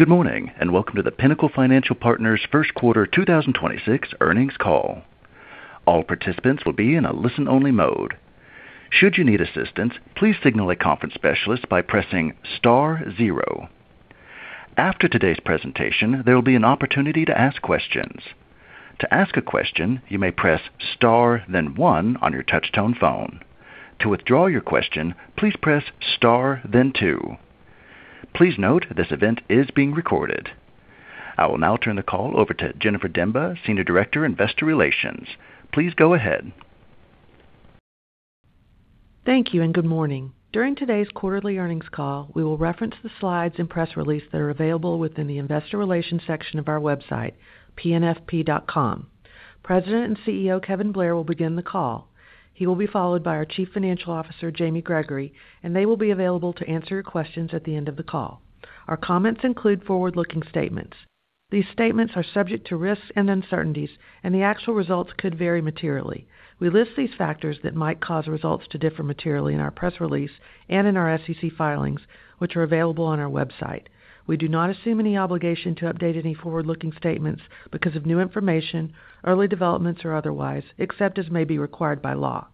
Good morning, and welcome to the Pinnacle Financial Partners first quarter 2026 earnings call. All participants will be in a listen-only mode. Should you need assistance, please signal a conference specialist by pressing star zero. After today's presentation, there will be an opportunity to ask questions. To ask a question, you may press star, then one on your touchtone phone. To withdraw your question, please press star, then two. Please note this event is being recorded. I will now turn the call over to Jennifer Demba, Senior Director of Investor Relations. Please go ahead. Thank you, and good morning. During today's quarterly earnings call, we will reference the slides and press release that are available within the investor relations section of our website, pnfp.com. President and CEO Kevin Blair will begin the call. He will be followed by our Chief Financial Officer, Jamie Gregory, and they will be available to answer your questions at the end of the call. Our comments include forward-looking statements. These statements are subject to risks and uncertainties, and the actual results could vary materially. We list these factors that might cause results to differ materially in our press release and in our SEC filings, which are available on our website. We do not assume any obligation to update any forward-looking statements because of new information, early developments, or otherwise, except as may be required by law.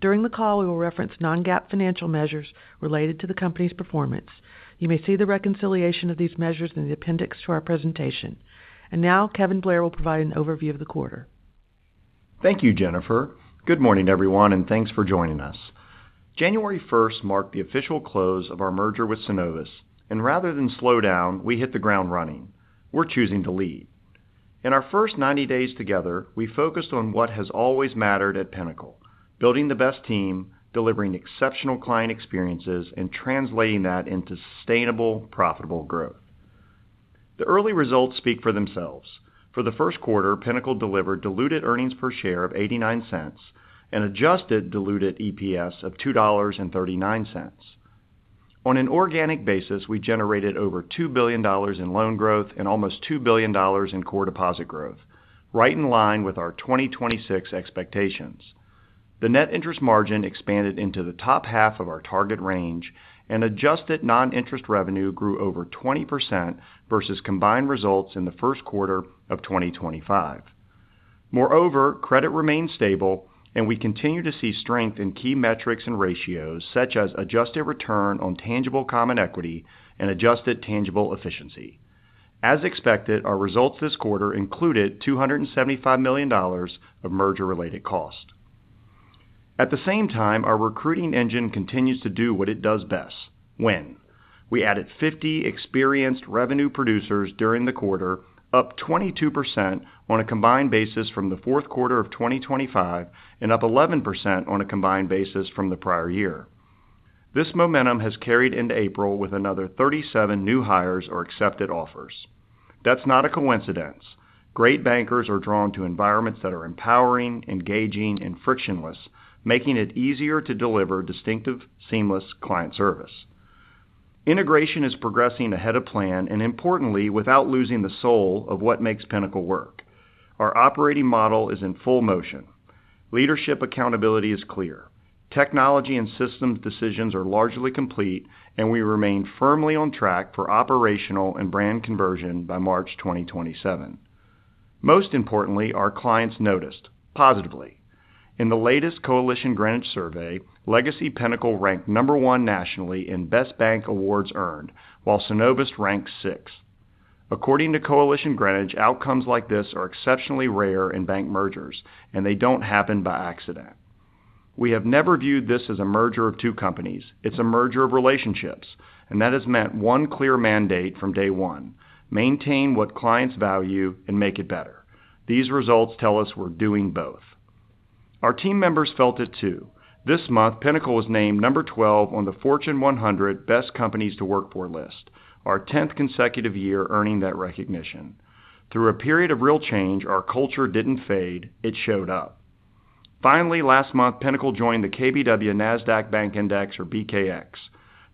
During the call, we will reference non-GAAP financial measures related to the company's performance. You may see the reconciliation of these measures in the appendix to our presentation. Now Kevin Blair will provide an overview of the quarter. Thank you, Jennifer. Good morning, everyone, and thanks for joining us. January 1 marked the official close of our merger with Synovus, and rather than slow down, we hit the ground running. We're choosing to lead. In our first 90 days together, we focused on what has always mattered at Pinnacle, building the best team, delivering exceptional client experiences, and translating that into sustainable, profitable growth. The early results speak for themselves. For the first quarter, Pinnacle delivered diluted earnings per share of $0.89 and adjusted diluted EPS of $2.39. On an organic basis, we generated over $2 billion in loan growth and almost $2 billion in core deposit growth, right in line with our 2026 expectations. The net interest margin expanded into the top half of our target range, and adjusted non-interest revenue grew over 20% versus combined results in the first quarter of 2025. Moreover, credit remained stable, and we continue to see strength in key metrics and ratios such as adjusted return on tangible common equity and adjusted tangible efficiency. As expected, our results this quarter included $275 million of merger-related cost. At the same time, our recruiting engine continues to do what it does best, win. We added 50 experienced revenue producers during the quarter, up 22% on a combined basis from the fourth quarter of 2025 and up 11% on a combined basis from the prior year. This momentum has carried into April with another 37 new hires or accepted offers. That's not a coincidence. Great bankers are drawn to environments that are empowering, engaging, and frictionless, making it easier to deliver distinctive, seamless client service. Integration is progressing ahead of plan and importantly, without losing the soul of what makes Pinnacle work. Our operating model is in full motion. Leadership accountability is clear. Technology and systems decisions are largely complete, and we remain firmly on track for operational and brand conversion by March 2027. Most importantly, our clients noticed positively. In the latest Coalition Greenwich survey, legacy Pinnacle ranked number one nationally in Best Bank awards earned, while Synovus ranked six. According to Coalition Greenwich, outcomes like this are exceptionally rare in bank mergers, and they don't happen by accident. We have never viewed this as a merger of two companies. It's a merger of relationships, and that has meant one clear mandate from day one, maintain what clients value and make it better. These results tell us we're doing both. Our team members felt it too. This month, Pinnacle was named 12 on the Fortune 100 Best Companies to Work For list, our 10th consecutive year earning that recognition. Through a period of real change, our culture didn't fade, it showed up. Finally, last month, Pinnacle joined the KBW Nasdaq Bank Index or BKX.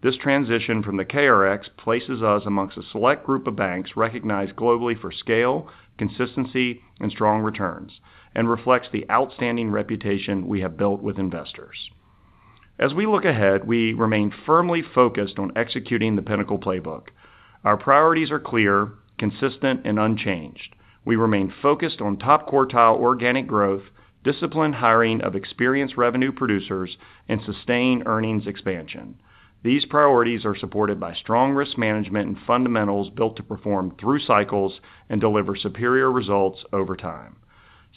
This transition from the KRX places us amongst a select group of banks recognized globally for scale, consistency, and strong returns and reflects the outstanding reputation we have built with investors. As we look ahead, we remain firmly focused on executing the Pinnacle playbook. Our priorities are clear, consistent, and unchanged. We remain focused on top-quartile organic growth, disciplined hiring of experienced revenue producers, and sustained earnings expansion. These priorities are supported by strong risk management and fundamentals built to perform through cycles and deliver superior results over time.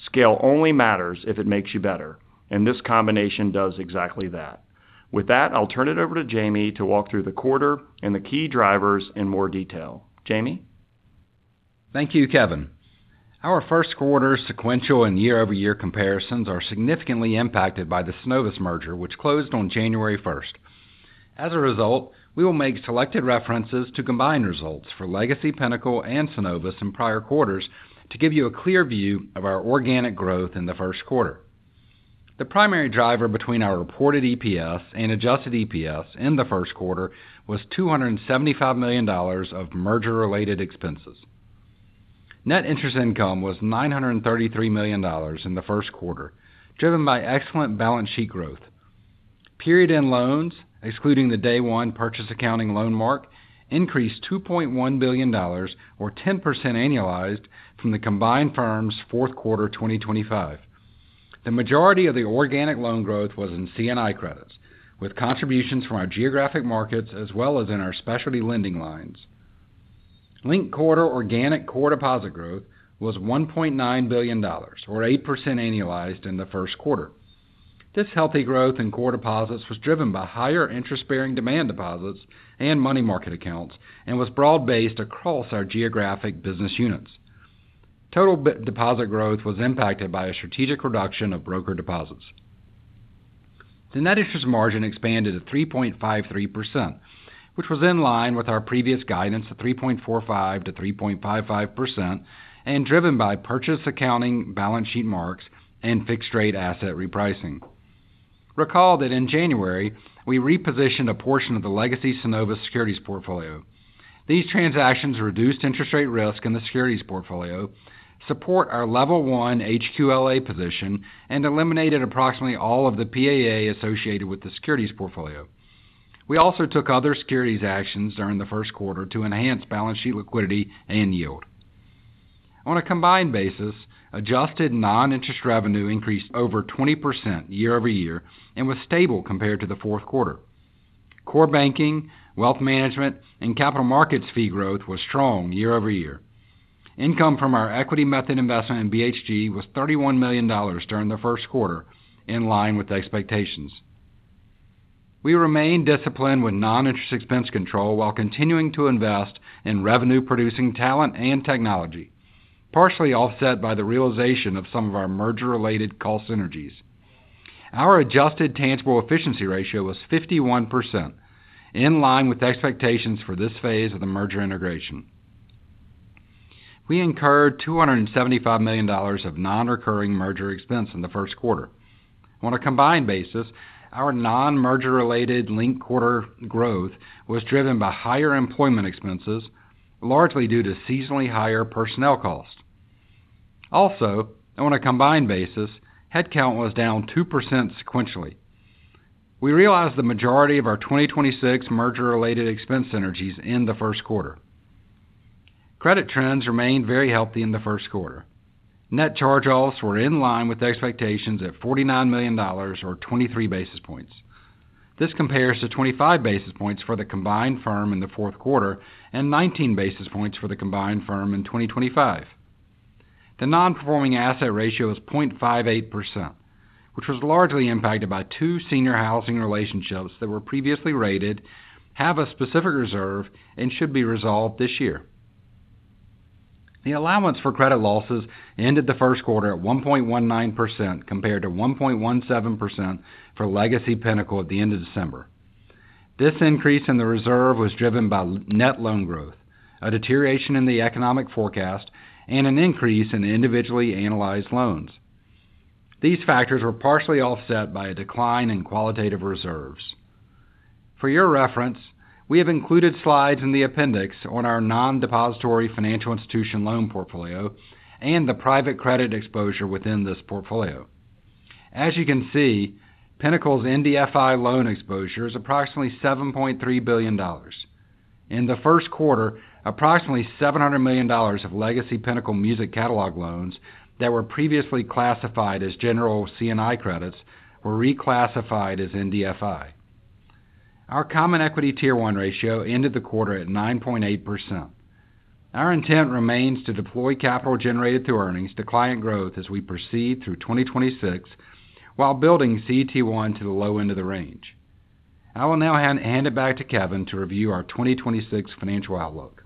Scale only matters if it makes you better, and this combination does exactly that. With that, I'll turn it over to Jamie to walk through the quarter and the key drivers in more detail. Jamie? Thank you, Kevin. Our first quarter sequential and year-over-year comparisons are significantly impacted by the Synovus merger which closed on January 1. As a result, we will make selected references to combined results for legacy Pinnacle and Synovus in prior quarters to give you a clear view of our organic growth in the first quarter. The primary driver between our reported EPS and adjusted EPS in the first quarter was $275 million of merger-related expenses. Net interest income was $933 million in the first quarter, driven by excellent balance sheet growth. Period-end loans, excluding the day one purchase accounting loan mark, increased $2.1 billion, or 10% annualized, from the combined firm's fourth quarter 2025. The majority of the organic loan growth was in C&I credits, with contributions from our geographic markets as well as in our specialty lending lines. Linked quarter organic core deposit growth was $1.9 billion, or 8% annualized in the first quarter. This healthy growth in core deposits was driven by higher interest-bearing demand deposits and money market accounts and was broad-based across our geographic business units. Total deposit growth was impacted by a strategic reduction of broker deposits. The net interest margin expanded to 3.53%, which was in line with our previous guidance of 3.45%-3.55%, and driven by purchase accounting, balance sheet marks, and fixed-rate asset repricing. Recall that in January, we repositioned a portion of the legacy Synovus securities portfolio. These transactions reduced interest rate risk in the securities portfolio, support our Level 1 HQLA position, and eliminated approximately all of the PAA associated with the securities portfolio. We also took other securities actions during the first quarter to enhance balance sheet liquidity and yield. On a combined basis, adjusted non-interest revenue increased over 20% year-over-year and was stable compared to the fourth quarter. Core banking, wealth management, and capital markets fee growth was strong year-over-year. Income from our equity method investment in BHG was $31 million during the first quarter, in line with expectations. We remain disciplined with non-interest expense control while continuing to invest in revenue-producing talent and technology, partially offset by the realization of some of our merger-related cost synergies. Our adjusted tangible efficiency ratio was 51%, in line with expectations for this phase of the merger integration. We incurred $275 million of non-recurring merger expense in the first quarter. On a combined basis, our non-merger-related linked quarter growth was driven by higher employment expenses, largely due to seasonally higher personnel costs. Also, and on a combined basis, headcount was down 2% sequentially. We realized the majority of our 2026 merger-related expense synergies in the first quarter. Credit trends remained very healthy in the first quarter. Net charge-offs were in line with expectations at $49 million, or 23 basis points. This compares to 25 basis points for the combined firm in the fourth quarter and 19 basis points for the combined firm in 2025. The non-performing asset ratio is 0.58%, which was largely impacted by two senior housing relationships that were previously rated, have a specific reserve, and should be resolved this year. The allowance for credit losses ended the first quarter at 1.19%, compared to 1.17% for legacy Pinnacle at the end of December. This increase in the reserve was driven by net loan growth, a deterioration in the economic forecast, and an increase in individually analyzed loans. These factors were partially offset by a decline in qualitative reserves. For your reference, we have included slides in the appendix on our non-depository financial institution loan portfolio and the private credit exposure within this portfolio. As you can see, Pinnacle's NDFI loan exposure is approximately $7.3 billion. In the first quarter, approximately $700 million of legacy Pinnacle music catalog loans that were previously classified as general C&I credits were reclassified as NDFI. Our common equity Tier 1 ratio ended the quarter at 9.8%. Our intent remains to deploy capital generated through earnings to client growth as we proceed through 2026 while building CET1 to the low end of the range. I will now hand it back to Kevin to review our 2026 financial outlook.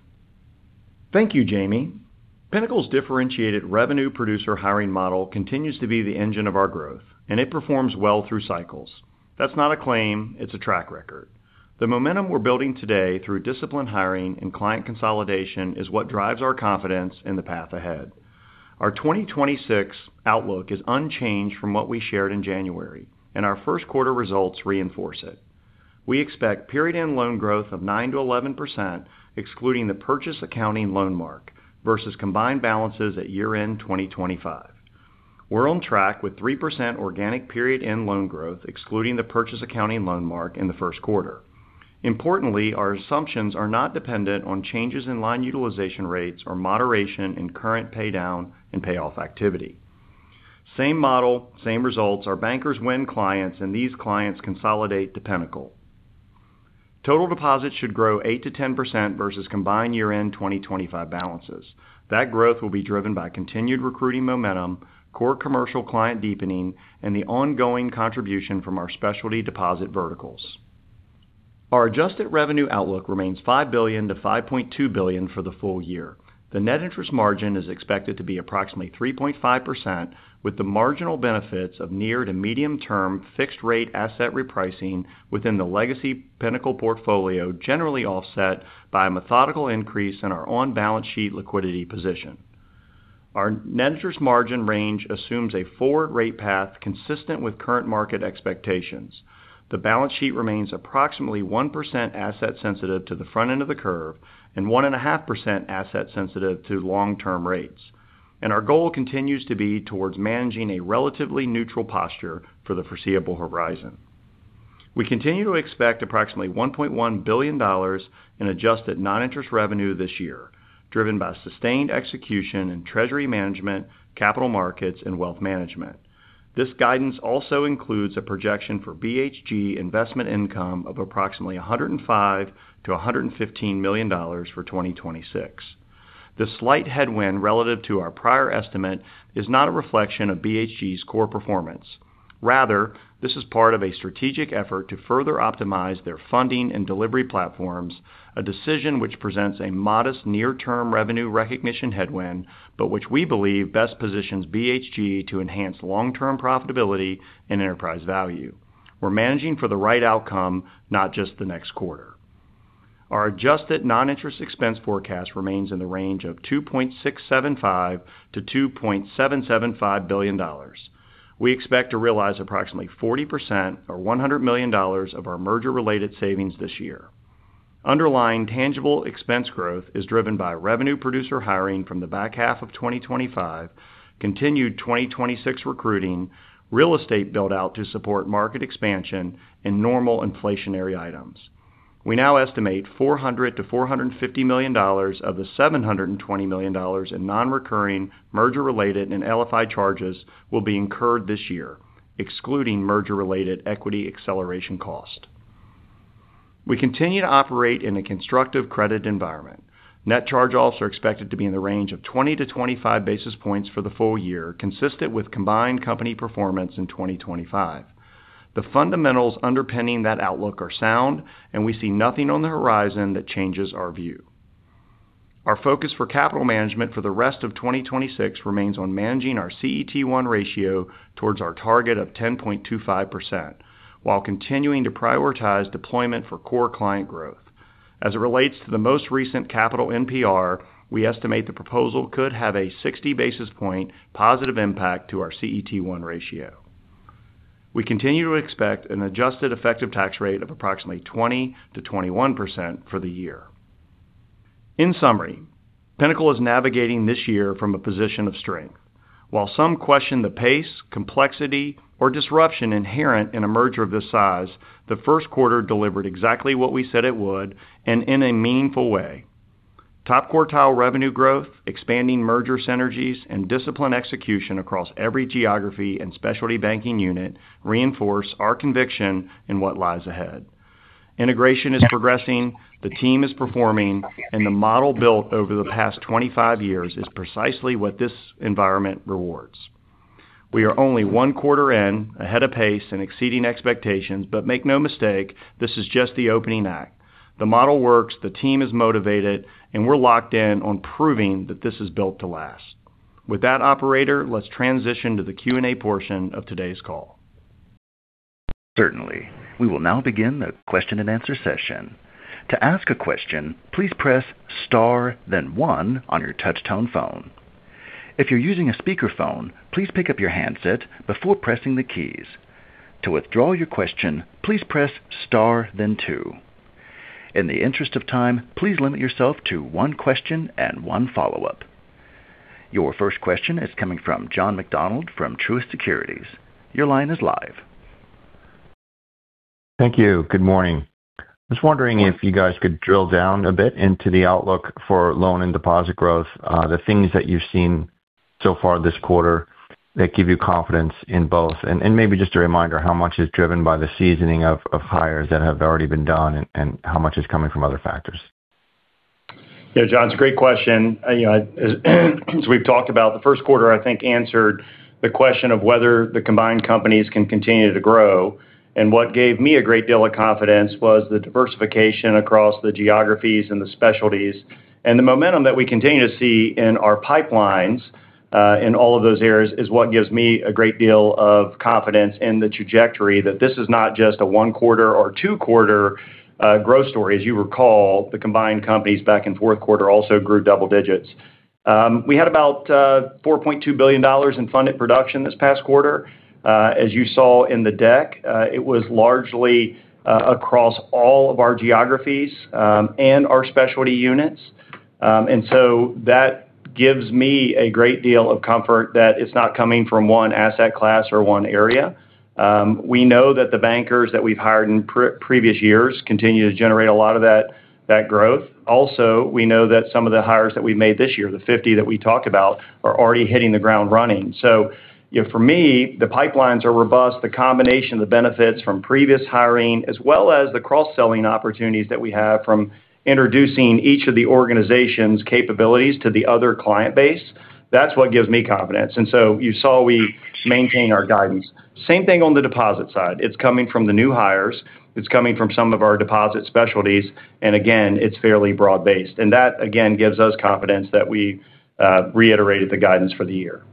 Thank you, Jamie. Pinnacle's differentiated revenue producer hiring model continues to be the engine of our growth, and it performs well through cycles. That's not a claim, it's a track record. The momentum we're building today through disciplined hiring and client consolidation is what drives our confidence in the path ahead. Our 2026 outlook is unchanged from what we shared in January, and our first quarter results reinforce it. We expect period-end loan growth of 9%-11%, excluding the purchase accounting loan mark versus combined balances at year-end 2025. We're on track with 3% organic period-end loan growth, excluding the purchase accounting loan mark in the first quarter. Importantly, our assumptions are not dependent on changes in line utilization rates or moderation in current paydown and payoff activity. Same model, same results. Our bankers win clients, and these clients consolidate to Pinnacle. Total deposits should grow 8%-10% versus combined year-end 2025 balances. That growth will be driven by continued recruiting momentum, core commercial client deepening, and the ongoing contribution from our specialty deposit verticals. Our adjusted revenue outlook remains $5 billion-$5.2 billion for the full year. The net interest margin is expected to be approximately 3.5%, with the marginal benefits of near to medium-term fixed rate asset repricing within the legacy Pinnacle portfolio generally offset by a methodical increase in our on-balance sheet liquidity position. Our net interest margin range assumes a forward rate path consistent with current market expectations. The balance sheet remains approximately 1% asset sensitive to the front end of the curve and 1.5% asset sensitive to long-term rates. Our goal continues to be towards managing a relatively neutral posture for the foreseeable horizon. We continue to expect approximately $1.1 billion in adjusted non-interest revenue this year, driven by sustained execution in treasury management, capital markets and wealth management. This guidance also includes a projection for BHG investment income of approximately $105 million-$115 million for 2026. The slight headwind relative to our prior estimate is not a reflection of BHG's core performance. Rather, this is part of a strategic effort to further optimize their funding and delivery platforms, a decision which presents a modest near-term revenue recognition headwind, but which we believe best positions BHG to enhance long-term profitability and enterprise value. We're managing for the right outcome, not just the next quarter. Our adjusted non-interest expense forecast remains in the range of $2.675 billion-$2.775 billion. We expect to realize approximately 40% or $100 million of our merger-related savings this year. Underlying tangible expense growth is driven by revenue producer hiring from the back half of 2025, continued 2026 recruiting, real estate build-out to support market expansion, and normal inflationary items. We now estimate $400 million-$450 million of the $720 million in non-recurring merger-related and LFI charges will be incurred this year, excluding merger-related equity acceleration cost. We continue to operate in a constructive credit environment. Net charge-offs are expected to be in the range of 20-25 basis points for the full year, consistent with combined company performance in 2025. The fundamentals underpinning that outlook are sound, and we see nothing on the horizon that changes our view. Our focus for capital management for the rest of 2026 remains on managing our CET1 ratio towards our target of 10.25%, while continuing to prioritize deployment for core client growth. As it relates to the most recent capital NPR, we estimate the proposal could have a 60 basis points positive impact to our CET1 ratio. We continue to expect an adjusted effective tax rate of approximately 20%-21% for the year. In summary, Pinnacle is navigating this year from a position of strength. While some question the pace, complexity, or disruption inherent in a merger of this size, the first quarter delivered exactly what we said it would and in a meaningful way. Top-quartile revenue growth, expanding merger synergies, and disciplined execution across every geography and specialty banking unit reinforce our conviction in what lies ahead. Integration is progressing, the team is performing, and the model built over the past 25 years is precisely what this environment rewards. We are only one quarter in, ahead of pace and exceeding expectations, but make no mistake, this is just the opening act. The model works, the team is motivated, and we're locked in on proving that this is built to last. With that, operator, let's transition to the Q&A portion of today's call. Certainly. We will now begin the question and answer session. To ask a question, please press star then one on your touch tone phone. If you're using a speakerphone, please pick up your handset before pressing the keys. To withdraw your question, please press star then two. In the interest of time, please limit yourself to one question and one follow-up. Your first question is coming from John McDonald from Truist Securities. Your line is live. Thank you. Good morning. Just wondering if you guys could drill down a bit into the outlook for loan and deposit growth, the things that you've seen so far this quarter that give you confidence in both, and maybe just a reminder how much is driven by the seasoning of hires that have already been done and how much is coming from other factors. Yeah, John, it's a great question. As we've talked about, the first quarter, I think, answered the question of whether the combined companies can continue to grow. What gave me a great deal of confidence was the diversification across the geographies and the specialties. The momentum that we continue to see in our pipelines, in all of those areas is what gives me a great deal of confidence in the trajectory that this is not just a one quarter or two quarter growth story. As you recall, the combined companies back in fourth quarter also grew double digits. We had about $4.2 billion in funded production this past quarter. As you saw in the deck, it was largely across all of our geographies and our specialty units. That gives me a great deal of comfort that it's not coming from one asset class or one area. We know that the bankers that we've hired in previous years continue to generate a lot of that growth. Also, we know that some of the hires that we made this year, the 50 that we talked about, are already hitting the ground running. For me, the pipelines are robust. The combination of the benefits from previous hiring, as well as the cross-selling opportunities that we have from introducing each of the organization's capabilities to the other client base, that's what gives me confidence. You saw we maintain our guidance. Same thing on the deposit side. It's coming from the new hires. It's coming from some of our deposit specialties. Again, it's fairly broad-based. That, again, gives us confidence that we reiterated the guidance for the year.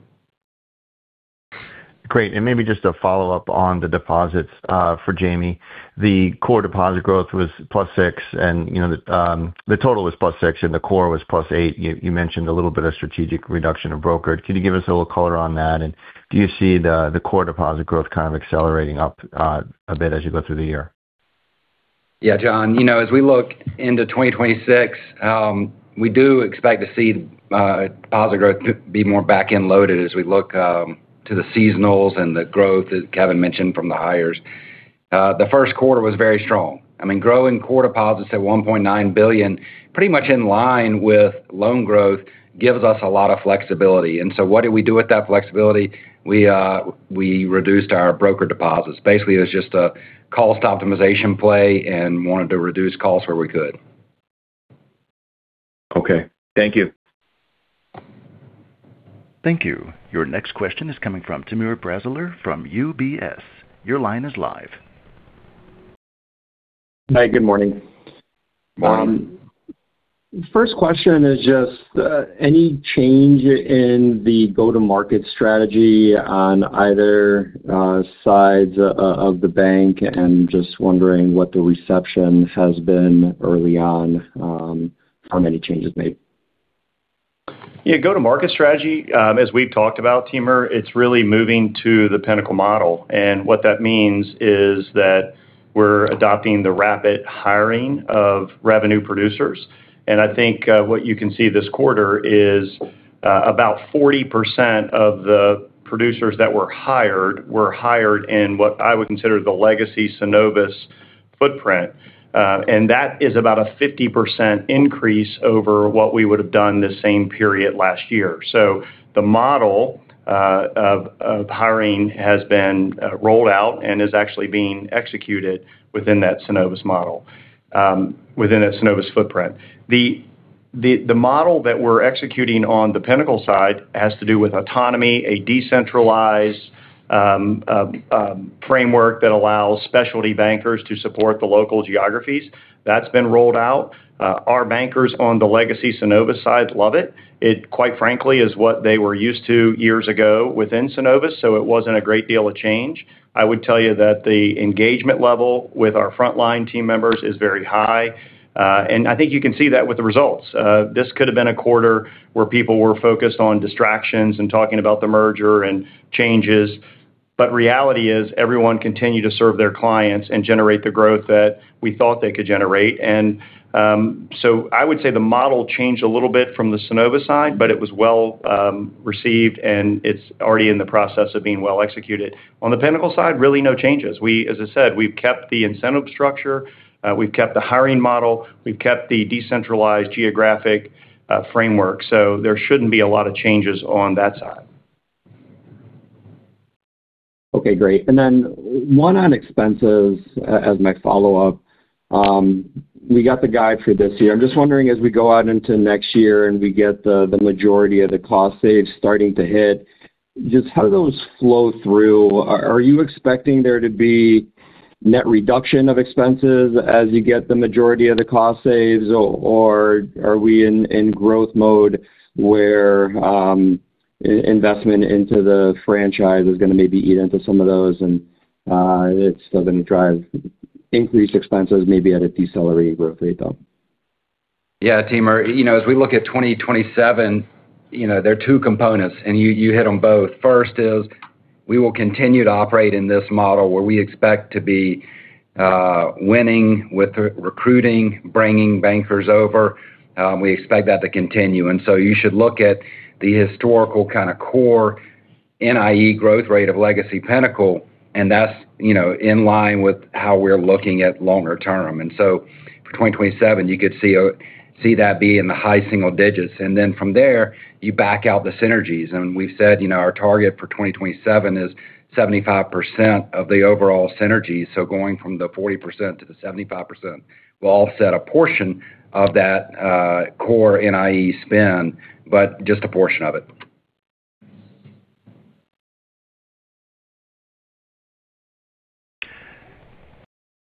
Great. Maybe just a follow-up on the deposits for Jamie. The core deposit growth was +6%, and the total was +6%, and the core was +8%. You mentioned a little bit of strategic reduction of brokerage. Can you give us a little color on that? Do you see the core deposit growth kind of accelerating up a bit as you go through the year? Yeah, John. As we look into 2026, we do expect to see deposit growth be more back-end loaded as we look to the seasonals and the growth, as Kevin mentioned, from the hires. The first quarter was very strong. Growing core deposits at $1.9 billion, pretty much in line with loan growth gives us a lot of flexibility. What did we do with that flexibility? We reduced our broker deposits. Basically, it was just a cost optimization play and wanted to reduce costs where we could. Okay. Thank you. Thank you. Your next question is coming from Timur Braziler from UBS. Your line is live. Hi, good morning. Morning. First question is just any change in the go-to-market strategy on either sides of the bank, and just wondering what the reception has been early on. Are many changes made? Yeah. Go-to-market strategy, as we've talked about, Timur, it's really moving to the Pinnacle model. What that means is that we're adopting the rapid hiring of revenue producers. I think what you can see this quarter is about 40% of the producers that were hired, were hired in what I would consider the legacy Synovus footprint. That is about a 50% increase over what we would've done the same period last year. The model of hiring has been rolled out and is actually being executed within that Synovus model, within a Synovus footprint. The model that we're executing on the Pinnacle side has to do with autonomy, a decentralized framework that allows specialty bankers to support the local geographies. That's been rolled out. Our bankers on the legacy Synovus side love it. It quite frankly is what they were used to years ago within Synovus, so it wasn't a great deal of change. I would tell you that the engagement level with our frontline team members is very high. I think you can see that with the results. This could've been a quarter where people were focused on distractions and talking about the merger and changes. Reality is, everyone continued to serve their clients and generate the growth that we thought they could generate. I would say the model changed a little bit from the Synovus side, but it was well-received, and it's already in the process of being well executed. On the Pinnacle side, really no changes. As I said, we've kept the incentive structure, we've kept the hiring model, we've kept the decentralized geographic framework. There shouldn't be a lot of changes on that side. Okay, great. One on expenses as my follow-up. We got the guide for this year. I'm just wondering, as we go out into next year and we get the majority of the cost saves starting to hit, just how do those flow through? Are you expecting there to be net reduction of expenses as you get the majority of the cost saves, or are we in growth mode where investment into the franchise is going to maybe eat into some of those and it's still going to drive increased expenses, maybe at a decelerating growth rate, though? Yeah, Timur. As we look at 2027, there are two components and you hit them both. First is we will continue to operate in this model where we expect to be winning with recruiting, bringing bankers over. We expect that to continue, and so you should look at the historical kind of core NIE growth rate of legacy Pinnacle, and that's in line with how we're looking at longer term. For 2027, you could see that be in the high single digits. Then from there you back out the synergies. We've said, our target for 2027 is 75% of the overall synergies. Going from the 40% to 75% will offset a portion of that core NIE spend, but just a portion of it.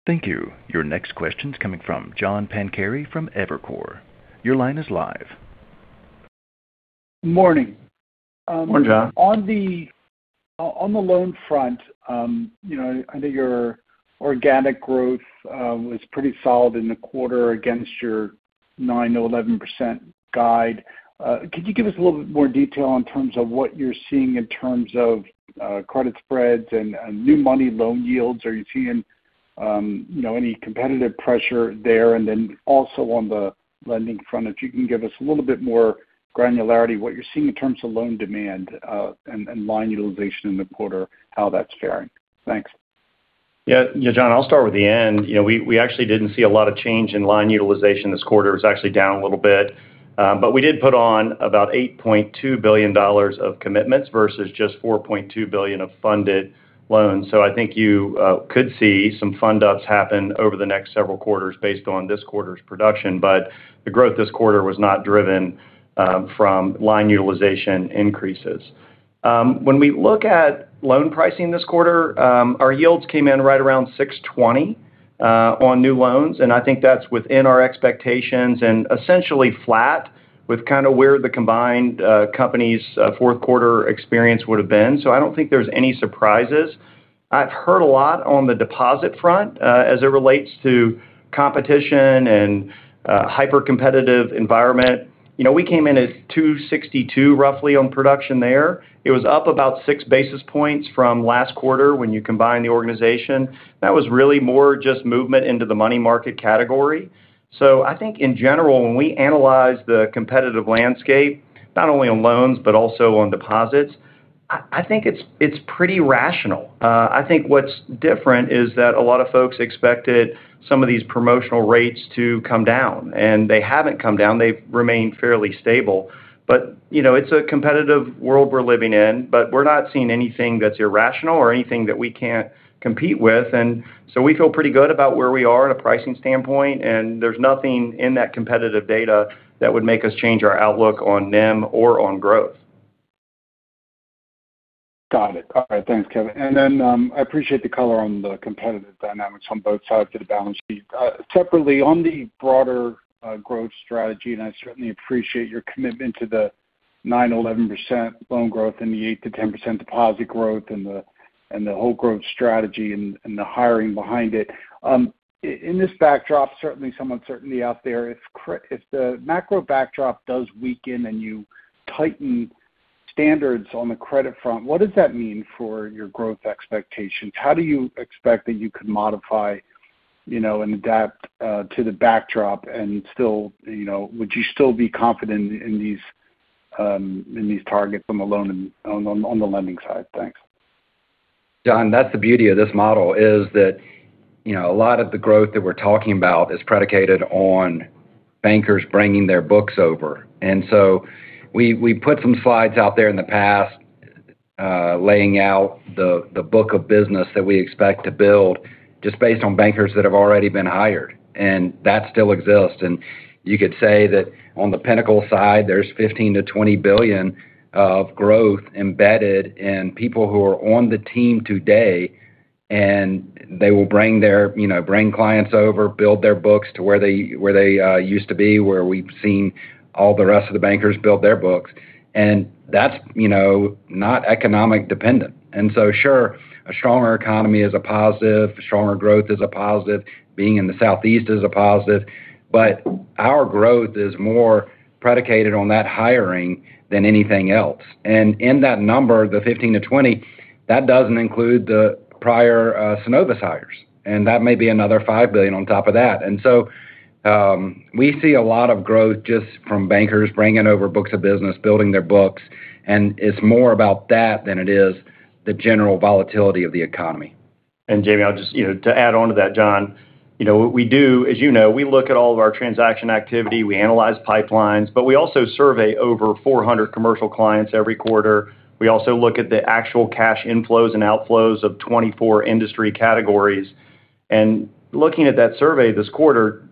Thank you. Your next question's coming from John Pancari from Evercore. Your line is live. Morning. Morning, John. On the loan front, I know your organic growth was pretty solid in the quarter against your 9%-11% guide. Could you give us a little bit more detail in terms of what you're seeing in terms of credit spreads and new money loan yields? Are you seeing any competitive pressure there? And then also on the lending front, if you can give us a little bit more granularity, what you're seeing in terms of loan demand, and line utilization in the quarter, how that's faring. Thanks. Yeah. John, I'll start with the end. We actually didn't see a lot of change in line utilization this quarter. It was actually down a little bit. We did put on about $8.2 billion of commitments versus just $4.2 billion of funded loans. I think you could see some fund ups happen over the next several quarters based on this quarter's production. The growth this quarter was not driven from line utilization increases. When we look at loan pricing this quarter, our yields came in right around 620 on new loans, and I think that's within our expectations and essentially flat. With kind of where the combined company's fourth quarter experience would've been. I don't think there's any surprises. I've heard a lot on the deposit front, as it relates to competition and hyper-competitive environment. We came in at 262 roughly on production there. It was up about six basis points from last quarter when you combine the organization. That was really more just movement into the money market category. I think in general, when we analyze the competitive landscape, not only on loans but also on deposits, I think it's pretty rational. I think what's different is that a lot of folks expected some of these promotional rates to come down, and they haven't come down. They've remained fairly stable. It's a competitive world we're living in, but we're not seeing anything that's irrational or anything that we can't compete with. We feel pretty good about where we are at a pricing standpoint, and there's nothing in that competitive data that would make us change our outlook on NIM or on growth. Got it. All right. Thanks, Kevin. I appreciate the color on the competitive dynamics on both sides of the balance sheet. Separately, on the broader growth strategy, I certainly appreciate your commitment to the 9%-11% loan growth and the 8%-10% deposit growth and the whole growth strategy and the hiring behind it. In this backdrop, certainly some uncertainty out there, if the macro backdrop does weaken and you tighten standards on the credit front, what does that mean for your growth expectations? How do you expect that you could modify and adapt to the backdrop, and would you still be confident in these targets from on the lending side? Thanks. John, that's the beauty of this model is that, a lot of the growth that we're talking about is predicated on bankers bringing their books over. We put some slides out there in the past, laying out the book of business that we expect to build just based on bankers that have already been hired, and that still exists. You could say that on the Pinnacle side, there's $15 billion-$20 billion of growth embedded in people who are on the team today, and they will bring clients over, build their books to where they used to be, where we've seen all the rest of the bankers build their books. That's not economically dependent. Sure, a stronger economy is a positive, a stronger growth is a positive, being in the Southeast is a positive, but our growth is more predicated on that hiring than anything else. In that number, the $15 billion-$20 billion, that doesn't include the prior Synovus hires, and that may be another $5 billion on top of that. We see a lot of growth just from bankers bringing over books of business, building their books, and it's more about that than it is the general volatility of the economy. Jamie, to add on to that, John, what we do is we look at all of our transaction activity, we analyze pipelines, but we also survey over 400 commercial clients every quarter. We also look at the actual cash inflows and outflows of 24 industry categories. Looking at that survey this quarter,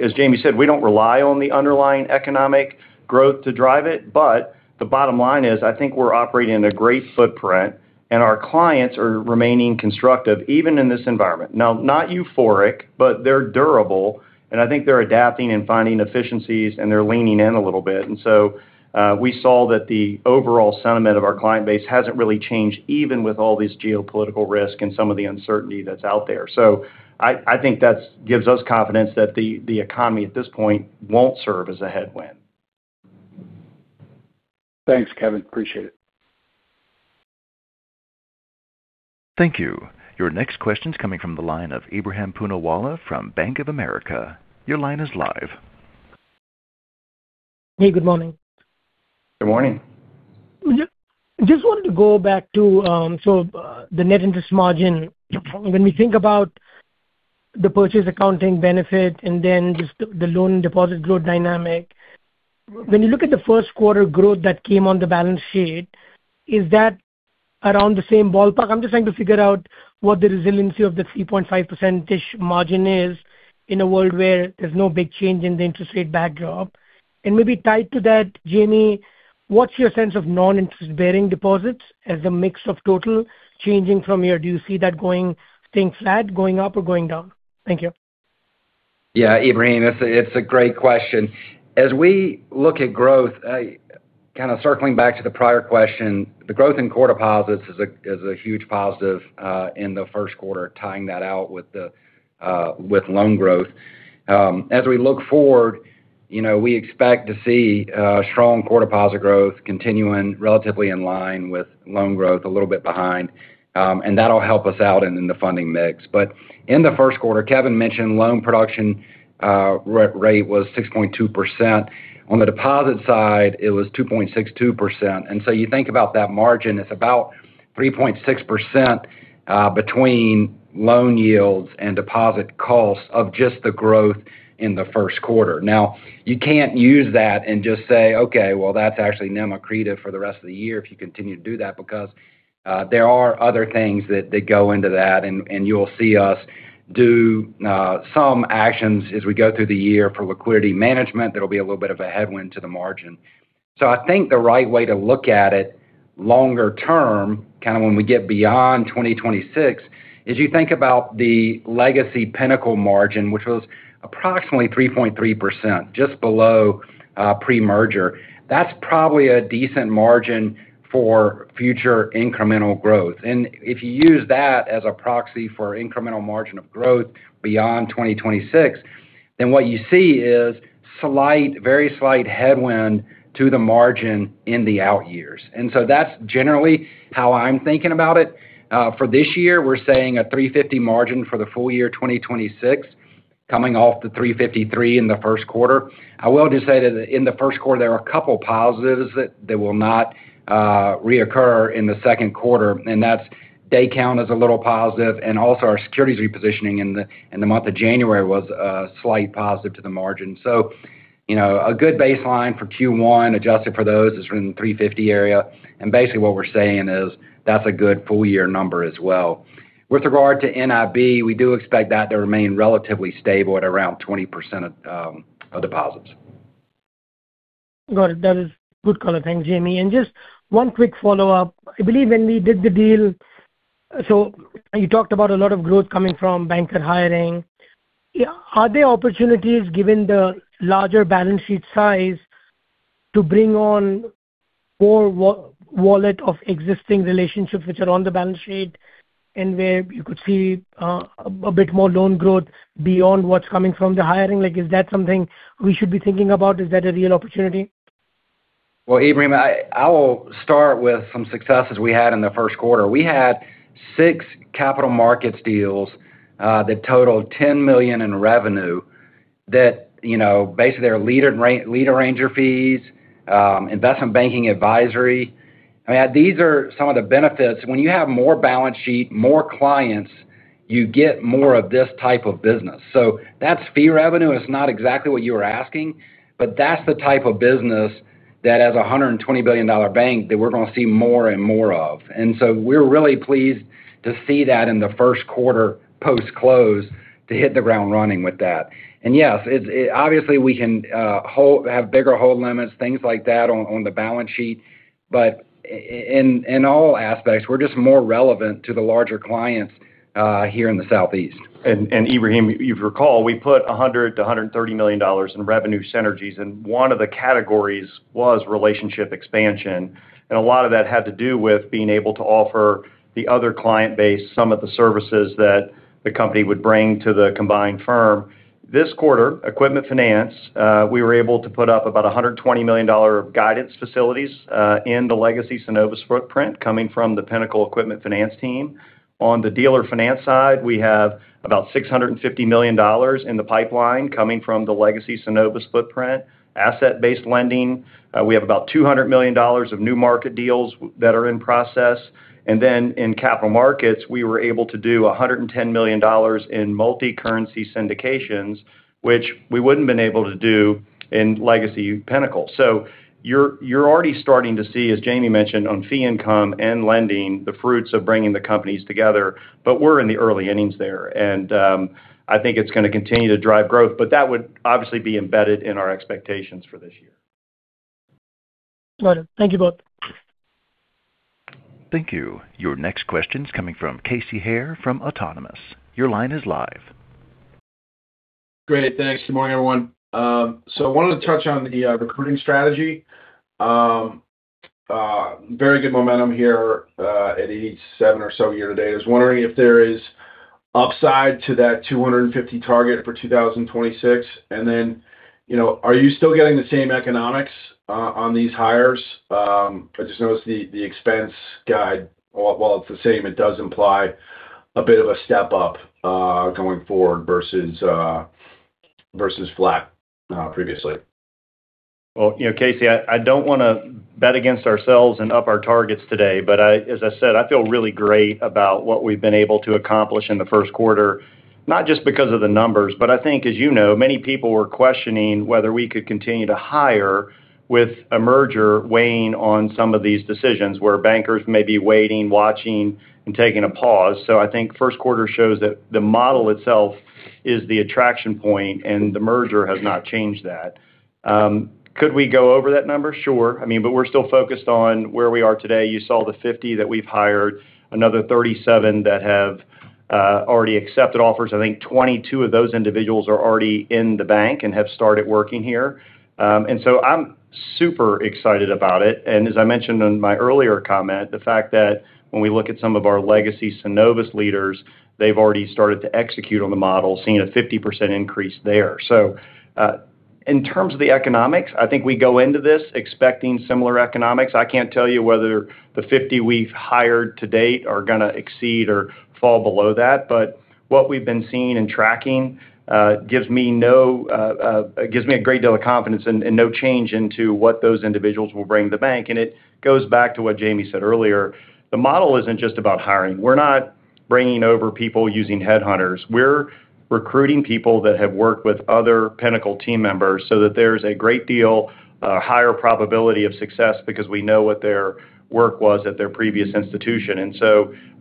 as Jamie said, we don't rely on the underlying economic growth to drive it, but the bottom line is, I think we're operating in a great footprint, and our clients are remaining constructive even in this environment. Now, not euphoric, but they're durable, and I think they're adapting and finding efficiencies, and they're leaning in a little bit. We saw that the overall sentiment of our client base hasn't really changed, even with all this geopolitical risk and some of the uncertainty that's out there. I think that gives us confidence that the economy at this point won't serve as a headwind. Thanks, Kevin. I appreciate it. Thank you. Your next question's coming from the line of Ebrahim Poonawala from Bank of America. Your line is live. Hey, good morning. Good morning. Just wanted to go back to the net interest margin. When we think about the purchase accounting benefit and then just the loan deposit growth dynamic, when you look at the first quarter growth that came on the balance sheet, is that around the same ballpark? I'm just trying to figure out what the resiliency of the 3.5%ish margin is in a world where there's no big change in the interest rate backdrop. Maybe tied to that, Jamie, what's your sense of non-interest-bearing deposits as a mix of total changing from here? Do you see that staying flat, going up or going down? Thank you. Yeah, Ebrahim, it's a great question. As we look at growth, kind of circling back to the prior question, the growth in core deposits is a huge positive, in the first quarter, tying that out with loan growth. As we look forward, we expect to see strong core deposit growth continuing relatively in line with loan growth a little bit behind. That'll help us out in the funding mix. In the first quarter, Kevin mentioned loan production rate was 6.2%. On the deposit side, it was 2.62%. So you think about that margin, it's about 3.6% between loan yields and deposit costs of just the growth in the first quarter. Now, you can't use that and just say, Okay. Well, that's actually NIM accretive for the rest of the year if you continue to do that, because there are other things that go into that, and you'll see us do some actions as we go through the year for liquidity management. There'll be a little bit of a headwind to the margin. I think the right way to look at it longer term, kind of when we get beyond 2026, is you think about the legacy Pinnacle margin, which was approximately 3.3%, just below pre-merger. That's probably a decent margin for future incremental growth. If you use that as a proxy for incremental margin of growth beyond 2026, then what you see is very slight headwind to the margin in the out years. That's generally how I'm thinking about it. For this year, we're saying a 350 margin for the full year 2026, coming off the 353 in the first quarter. I will just say that in the first quarter, there are a couple positives that will not reoccur in the second quarter, and that's day count is a little positive, and also our securities repositioning in the month of January was a slight positive to the margin. A good baseline for Q1 adjusted for those is in the 350 area. Basically what we're saying is that's a good full year number as well. With regard to NIB, we do expect that to remain relatively stable at around 20% of deposits. Got it. That is good color. Thanks, Jamie. Just one quick follow-up. I believe when we did the deal, so you talked about a lot of growth coming from banker hiring. Are there opportunities given the larger balance sheet size to bring on more wallet of existing relationships which are on the balance sheet, and where you could see a bit more loan growth beyond what's coming from the hiring? Is that something we should be thinking about? Is that a real opportunity? Well, Ebrahim, I will start with some successes we had in the first quarter. We had six capital markets deals that totaled $10 million in revenue that basically, they are lead arranger fees, investment banking advisory. These are some of the benefits. When you have more balance sheet, more clients, you get more of this type of business. That fee revenue is not exactly what you're asking, but that's the type of business that as $120 billion bank that we're going to see more and more of. We're really pleased to see that in the first quarter post-close to hit the ground running with that. Yes, obviously, we can have bigger hold limits, things like that on the balance sheet. In all aspects, we're just more relevant to the larger clients here in the Southeast. Ebrahim, you've recalled, we put $100 million-$130 million in revenue synergies, and one of the categories was relationship expansion. A lot of that had to do with being able to offer the other client base some of the services that the company would bring to the combined firm. This quarter, equipment finance, we were able to put up about $120 million of funded facilities in the legacy Synovus footprint coming from the Pinnacle Equipment Finance team. On the dealer finance side, we have about $650 million in the pipeline coming from the legacy Synovus footprint. Asset-based lending, we have about $200 million of new market deals that are in process. In capital markets, we were able to do $110 million in multi-currency syndications, which we wouldn't been able to do in legacy Pinnacle. You're already starting to see, as Jamie mentioned, on fee income and lending, the fruits of bringing the companies together. We're in the early innings there, and I think it's going to continue to drive growth, but that would obviously be embedded in our expectations for this year. Got it. Thank you both. Thank you. Your next question's coming from Casey Haire from Autonomous. Your line is live. Great. Thanks. Good morning, everyone. I wanted to touch on the recruiting strategy. Very good momentum here at 87 or so year to date. I was wondering if there is upside to that 250 target for 2026, and then, are you still getting the same economics on these hires? I just noticed the expense guide, while it's the same, it does imply a bit of a step up, going forward versus flat previously. Well, Casey, I don't want to bet against ourselves and up our targets today, but as I said, I feel really great about what we've been able to accomplish in the first quarter, not just because of the numbers, but I think, as you know, many people were questioning whether we could continue to hire with a merger weighing on some of these decisions where bankers may be waiting, watching, and taking a pause. I think first quarter shows that the model itself is the attraction point, and the merger has not changed that. Could we go over that number? Sure. We're still focused on where we are today. You saw the 50 that we've hired, another 37 that have already accepted offers. I think 22 of those individuals are already in the bank and have started working here. I'm super excited about it. As I mentioned in my earlier comment, the fact that when we look at some of our legacy Synovus leaders, they've already started to execute on the model, seeing a 50% increase there. In terms of the economics, I think we go into this expecting similar economics. I can't tell you whether the 50 we've hired to date are going to exceed or fall below that. What we've been seeing and tracking gives me a great deal of confidence and no change into what those individuals will bring to the bank. It goes back to what Jamie said earlier. The model isn't just about hiring. We're not bringing over people using headhunters. We're recruiting people that have worked with other Pinnacle team members so that there's a great deal, a higher probability of success because we know what their work was at their previous institution.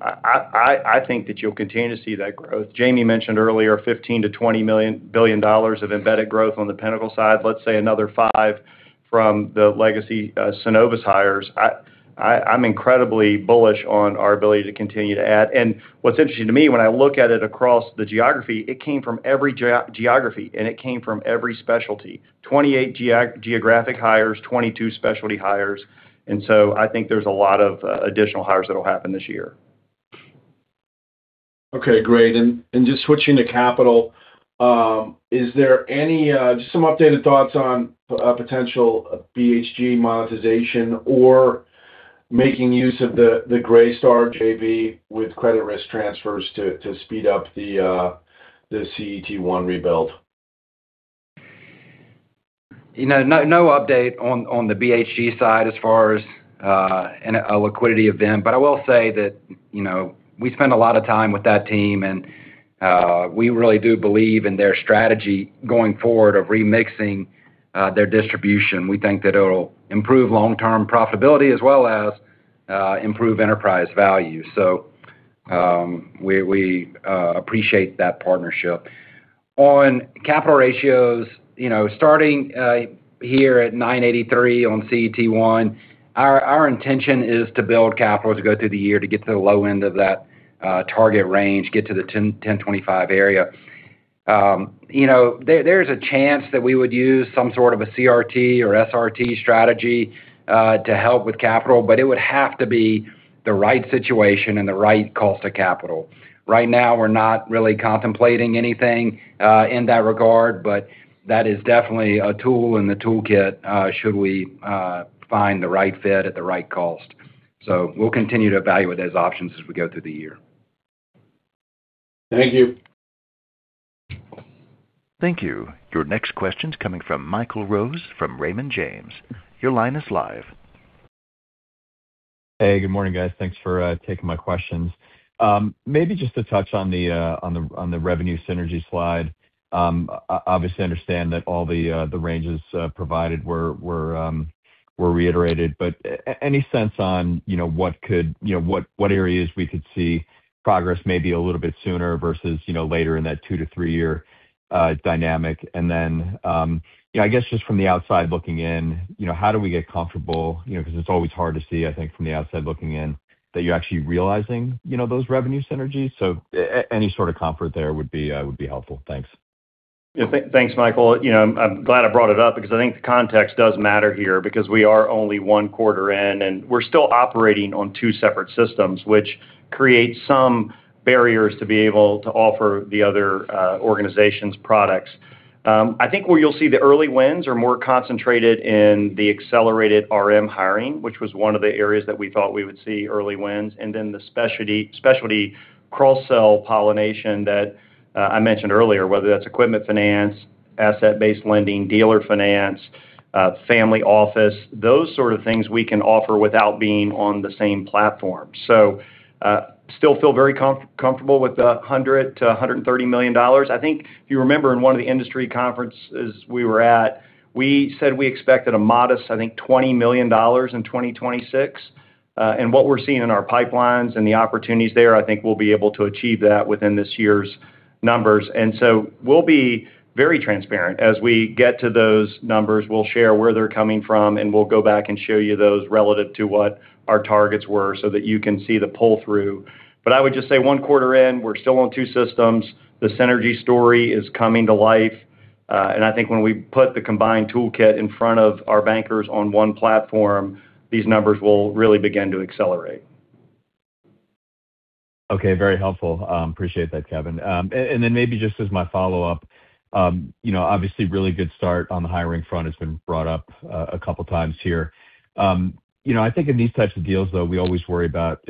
I think that you'll continue to see that growth. Jamie mentioned earlier, $15 billion-$20 billion of embedded growth on the Pinnacle side. Let's say another five from the legacy Synovus hires. I'm incredibly bullish on our ability to continue to add. What's interesting to me when I look at it across the geography, it came from every geography, and it came from every specialty. 28 geographic hires, 22 specialty hires. I think there's a lot of additional hires that'll happen this year. Okay, great. Just switching to capital, just some updated thoughts on a potential BHG monetization or making use of the Greystar JV with credit risk transfers to speed up the CET1 rebuild. No update on the BHG side as far as a liquidity event. I will say that we spend a lot of time with that team, and we really do believe in their strategy going forward of remixing their distribution. We think that it'll improve long-term profitability as well as improve enterprise value. We appreciate that partnership. On capital ratios, starting here at 9.83% on CET1, our intention is to build capital to go through the year to get to the low end of that target range, get to the 10.25% area. There's a chance that we would use some sort of a CRT or SRT strategy to help with capital, but it would have to be the right situation and the right cost of capital. Right now, we're not really contemplating anything in that regard, but that is definitely a tool in the toolkit should we find the right fit at the right cost. We'll continue to evaluate those options as we go through the year. Thank you. Thank you. Your next question's coming from Michael Rose from Raymond James. Your line is live. Hey, good morning, guys. Thanks for taking my questions. Maybe just to touch on the revenue synergy slide. Obviously, I understand that all the ranges provided were reiterated. Any sense on what areas we could see progress maybe a little bit sooner versus later in that 2-3 year dynamic? Then, I guess just from the outside looking in, how do we get comfortable? Because it's always hard to see, I think, from the outside looking in, that you're actually realizing those revenue synergies. Any sort of comfort there would be helpful. Thanks. Yeah. Thanks, Michael. I'm glad I brought it up because I think the context does matter here because we are only one quarter in, and we're still operating on two separate systems, which creates some barriers to be able to offer the other organization's products. I think where you'll see the early wins are more concentrated in the accelerated RM hiring, which was one of the areas that we thought we would see early wins, and then the specialty cross-sell pollination that I mentioned earlier, whether that's equipment finance, asset-based lending, dealer finance, family office. Those sort of things we can offer without being on the same platform. Still feel very comfortable with the $100 million-$130 million. I think if you remember in one of the industry conferences we were at, we said we expected a modest, I think, $20 million in 2026. What we're seeing in our pipelines and the opportunities there, I think we'll be able to achieve that within this year's numbers. We'll be very transparent. As we get to those numbers, we'll share where they're coming from, and we'll go back and show you those relative to what our targets were so that you can see the pull-through. I would just say one quarter in, we're still on two systems. The synergy story is coming to life. I think when we put the combined toolkit in front of our bankers on one platform, these numbers will really begin to accelerate. Okay. Very helpful. Appreciate that, Kevin. Maybe just as my follow-up, obviously, really good start on the hiring front. It's been brought up a couple times here. I think in these types of deals, though, we always worry about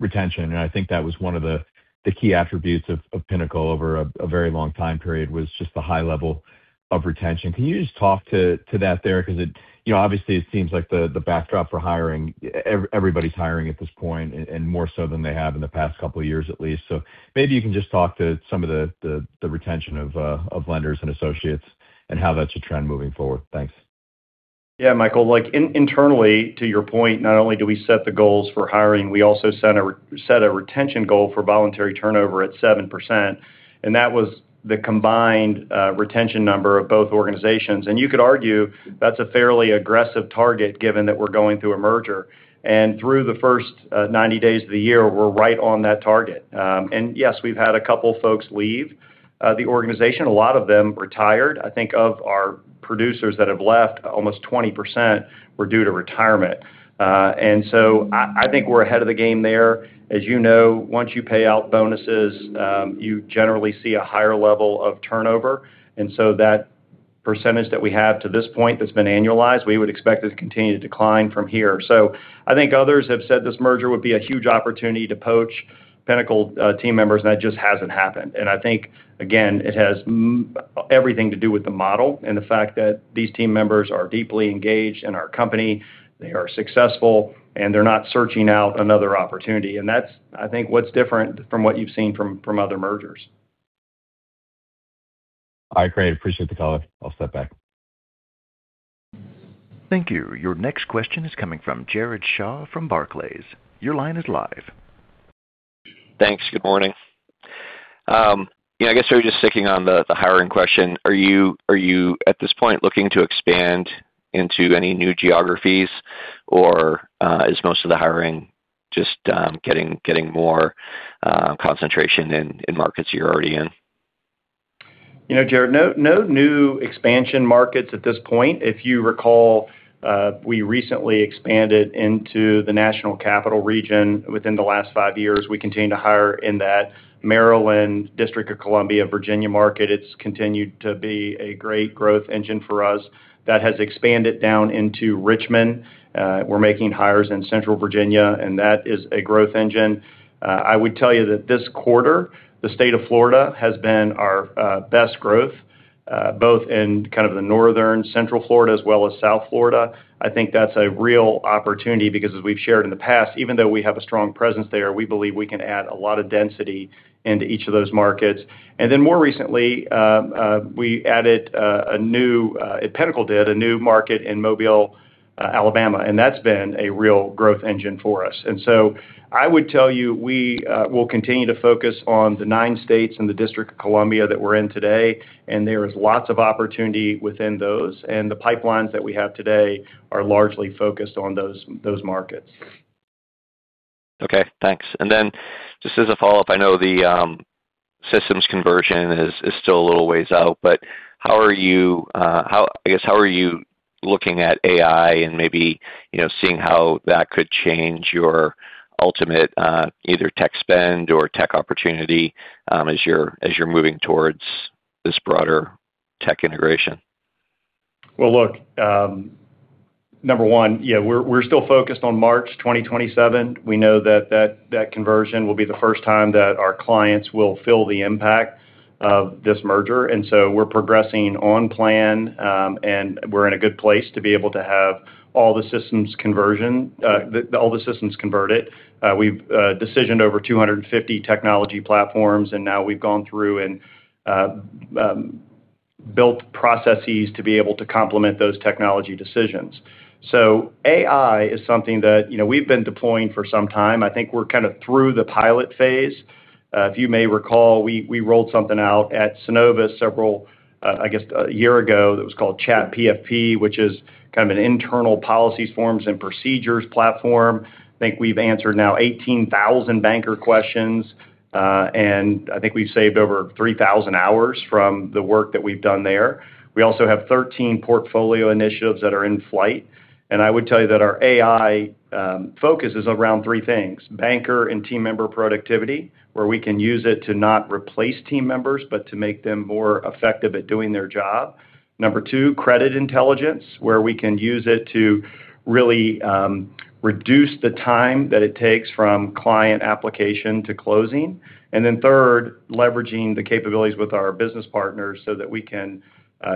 retention. I think that was one of the key attributes of Pinnacle over a very long time period, was just the high level of retention. Can you just talk to that there? Because obviously, it seems like the backdrop for hiring, everybody's hiring at this point, and more so than they have in the past couple of years, at least. Maybe you can just talk to some of the retention of lenders and associates and how that's a trend moving forward. Thanks. Yeah, Michael. Internally, to your point, not only do we set the goals for hiring, we also set a retention goal for voluntary turnover at 7%, and that was the combined retention number of both organizations. You could argue that's a fairly aggressive target given that we're going through a merger. Through the first 90 days of the year, we're right on that target. Yes, we've had a couple folks leave the organization. A lot of them retired. I think of our producers that have left, almost 20% were due to retirement. I think we're ahead of the game there. As you know, once you pay out bonuses, you generally see a higher level of turnover, and so that percentage that we have to this point that's been annualized, we would expect this to continue to decline from here. I think others have said this merger would be a huge opportunity to poach Pinnacle team members, and that just hasn't happened. I think, again, it has everything to do with the model and the fact that these team members are deeply engaged in our company, they are successful, and they're not searching out another opportunity. That's, I think, what's different from what you've seen from other mergers. All right, great. Appreciate the color. I'll step back. Thank you. Your next question is coming from Jared Shaw from Barclays. Your line is live. Thanks. Good morning. I guess just sticking on the hiring question, are you at this point looking to expand into any new geographies, or is most of the hiring just getting more concentration in markets you're already in? Jared, no new expansion markets at this point. If you recall, we recently expanded into the national capital region within the last five years. We continue to hire in that Maryland, District of Columbia, Virginia market. It's continued to be a great growth engine for us that has expanded down into Richmond. We're making hires in central Virginia, and that is a growth engine. I would tell you that this quarter, the state of Florida has been our best growth, both in kind of the northern central Florida as well as South Florida. I think that's a real opportunity because as we've shared in the past, even though we have a strong presence there, we believe we can add a lot of density into each of those markets. Then more recently, we added a new market in Mobile, Alabama, and that's been a real growth engine for us. I would tell you, we will continue to focus on the nine states and the District of Columbia that we're in today, and there is lots of opportunity within those, and the pipelines that we have today are largely focused on those markets. Okay, thanks. Just as a follow-up, I know the systems conversion is still a little ways out, but how are you looking at AI and maybe seeing how that could change your ultimate either tech spend or tech opportunity as you're moving towards this broader tech integration? Well, look, number one, we're still focused on March 2027. We know that that conversion will be the first time that our clients will feel the impact of this merger. We're progressing on plan, and we're in a good place to be able to have all the systems converted. We've decisioned over 250 technology platforms, and now we've gone through and built processes to be able to complement those technology decisions. AI is something that we've been deploying for some time. I think we're kind of through the pilot phase. If you may recall, we rolled something out at Synovus several, I guess, a year ago that was called Chat PFP, which is kind of an internal policies, forms, and procedures platform. I think we've answered now 18,000 banker questions, and I think we've saved over 3,000 hours from the work that we've done there. We also have 13 portfolio initiatives that are in flight. I would tell you that our AI focus is around three things, banker and team member productivity, where we can use it to not replace team members, but to make them more effective at doing their job. Number two, credit intelligence, where we can use it to really reduce the time that it takes from client application to closing. Third, leveraging the capabilities with our business partners so that we can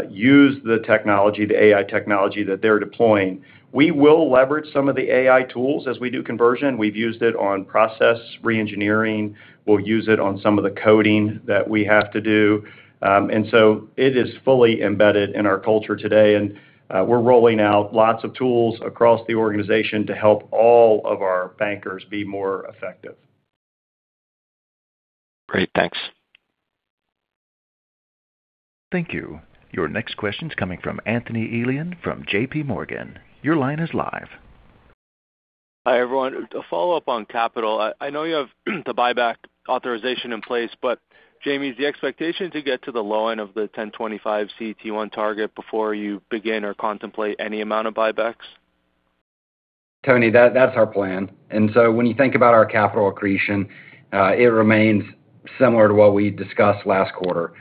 use the technology, the AI technology that they're deploying. We will leverage some of the AI tools as we do conversion. We've used it on process re-engineering. We'll use it on some of the coding that we have to do. It is fully embedded in our culture today, and we're rolling out lots of tools across the organization to help all of our bankers be more effective. Great. Thanks. Thank you. Your next question's coming from Anthony Elian from JP Morgan. Your line is live. Hi, everyone. To follow up on capital, I know you have the buyback authorization in place, but Jamie, is the expectation to get to the low end of the 10.25 CET1 target before you begin or contemplate any amount of buybacks? Tony, that's our plan. When you think about our capital accretion, it remains similar to what we discussed last quarter.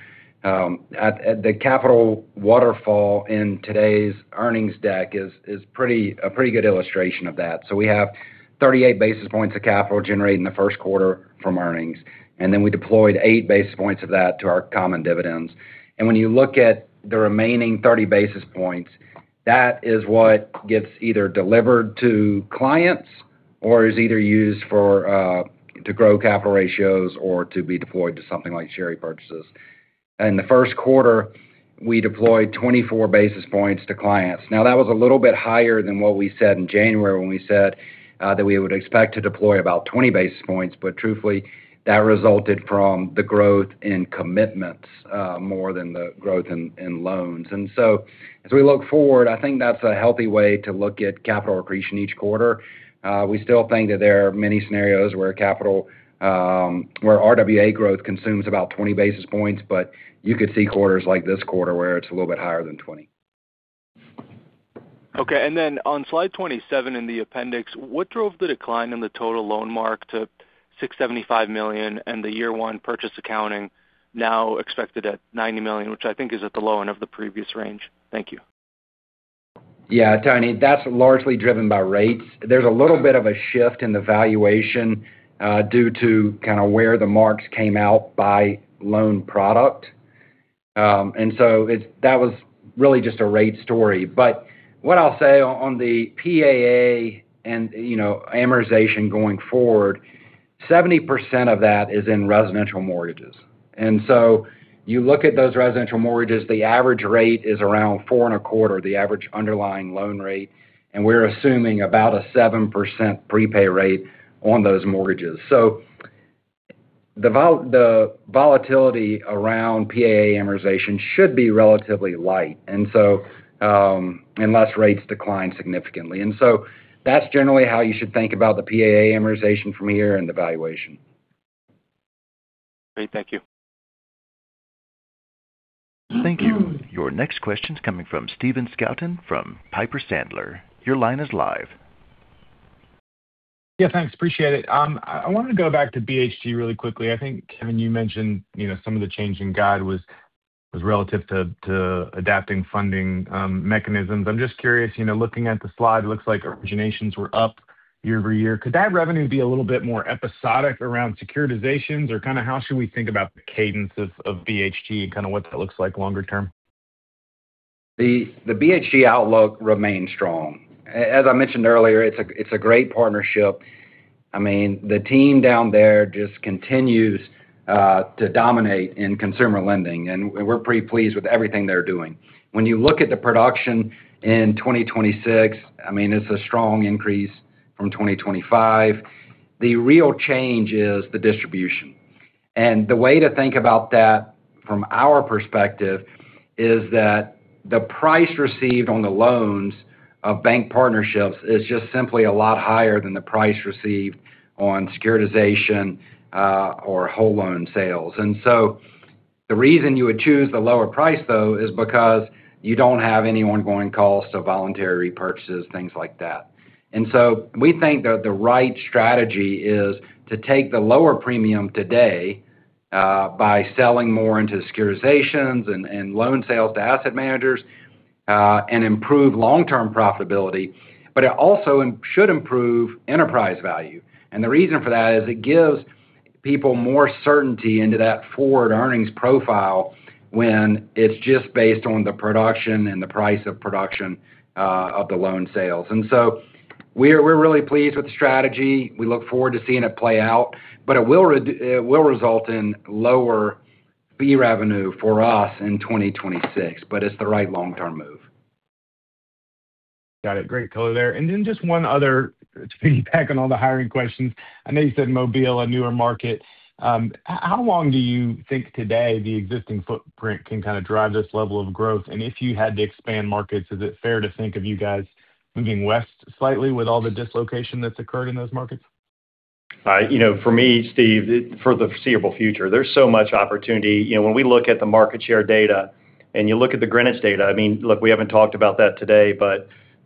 The capital waterfall in today's earnings deck is a pretty good illustration of that. We have 38 basis points of capital generated in the first quarter from earnings, and then we deployed 8 basis points of that to our common dividends. When you look at the remaining 30 basis points, that is what gets either delivered to clients or is either used to grow capital ratios or to be deployed to something like share repurchases. In the first quarter, we deployed 24 basis points to clients. Now, that was a little bit higher than what we said in January when we said that we would expect to deploy about 20 basis points, but truthfully, that resulted from the growth in commitments more than the growth in loans. As we look forward, I think that's a healthy way to look at capital accretion each quarter. We still think that there are many scenarios where RWA growth consumes about 20 basis points, but you could see quarters like this quarter where it's a little bit higher than 20. Okay. On slide 27 in the appendix, what drove the decline in the total loan mark to $675 million and the year one purchase accounting now expected at $90 million, which I think is at the low end of the previous range? Thank you. Yeah, Tony. That's largely driven by rates. There's a little bit of a shift in the valuation due to kind of where the marks came out by loan product. That was really just a rate story. What I'll say on the PAA and amortization going forward, 70% of that is in residential mortgages. You look at those residential mortgages, the average rate is around 4.25%, the average underlying loan rate, and we're assuming about a 7% prepay rate on those mortgages. So The volatility around PAA amortization should be relatively light, and so unless rates decline significantly, that's generally how you should think about the PAA amortization from here and the valuation. Great. Thank you. Thank you. Your next question's coming from Stephen Scouten from Piper Sandler. Your line is live. Yeah, thanks. Appreciate it. I wanted to go back to BHG really quickly. I think, Kevin, you mentioned some of the change in guide was relative to adapting funding mechanisms. I'm just curious, looking at the slide, looks like originations were up year-over-year. Could that revenue be a little bit more episodic around securitizations or how should we think about the cadence of BHG and kind of what that looks like longer term? The BHG outlook remains strong. As I mentioned earlier, it's a great partnership. The team down there just continues to dominate in consumer lending, and we're pretty pleased with everything they're doing. When you look at the production in 2026, it's a strong increase from 2025. The real change is the distribution. The way to think about that from our perspective is that the price received on the loans of bank partnerships is just simply a lot higher than the price received on securitization or whole loan sales. The reason you would choose the lower price though is because you don't have any ongoing costs, so voluntary repurchases, things like that. We think that the right strategy is to take the lower premium today by selling more into securitizations and loan sales to asset managers, and improve long-term profitability. It also should improve enterprise value. The reason for that is it gives people more certainty into that forward earnings profile when it's just based on the production and the price of production of the loan sales. We're really pleased with the strategy. We look forward to seeing it play out, but it will result in lower B revenue for us in 2026. It's the right long-term move. Got it. Great color there. Just one other to piggyback on all the hiring questions. I know you said Mobile, a newer market. How long do you think today the existing footprint can kind of drive this level of growth? If you had to expand markets, is it fair to think of you guys moving west slightly with all the dislocation that's occurred in those markets? For me, Stephen, for the foreseeable future, there's so much opportunity. When we look at the market share data and you look at the Greenwich data, look, we haven't talked about that today,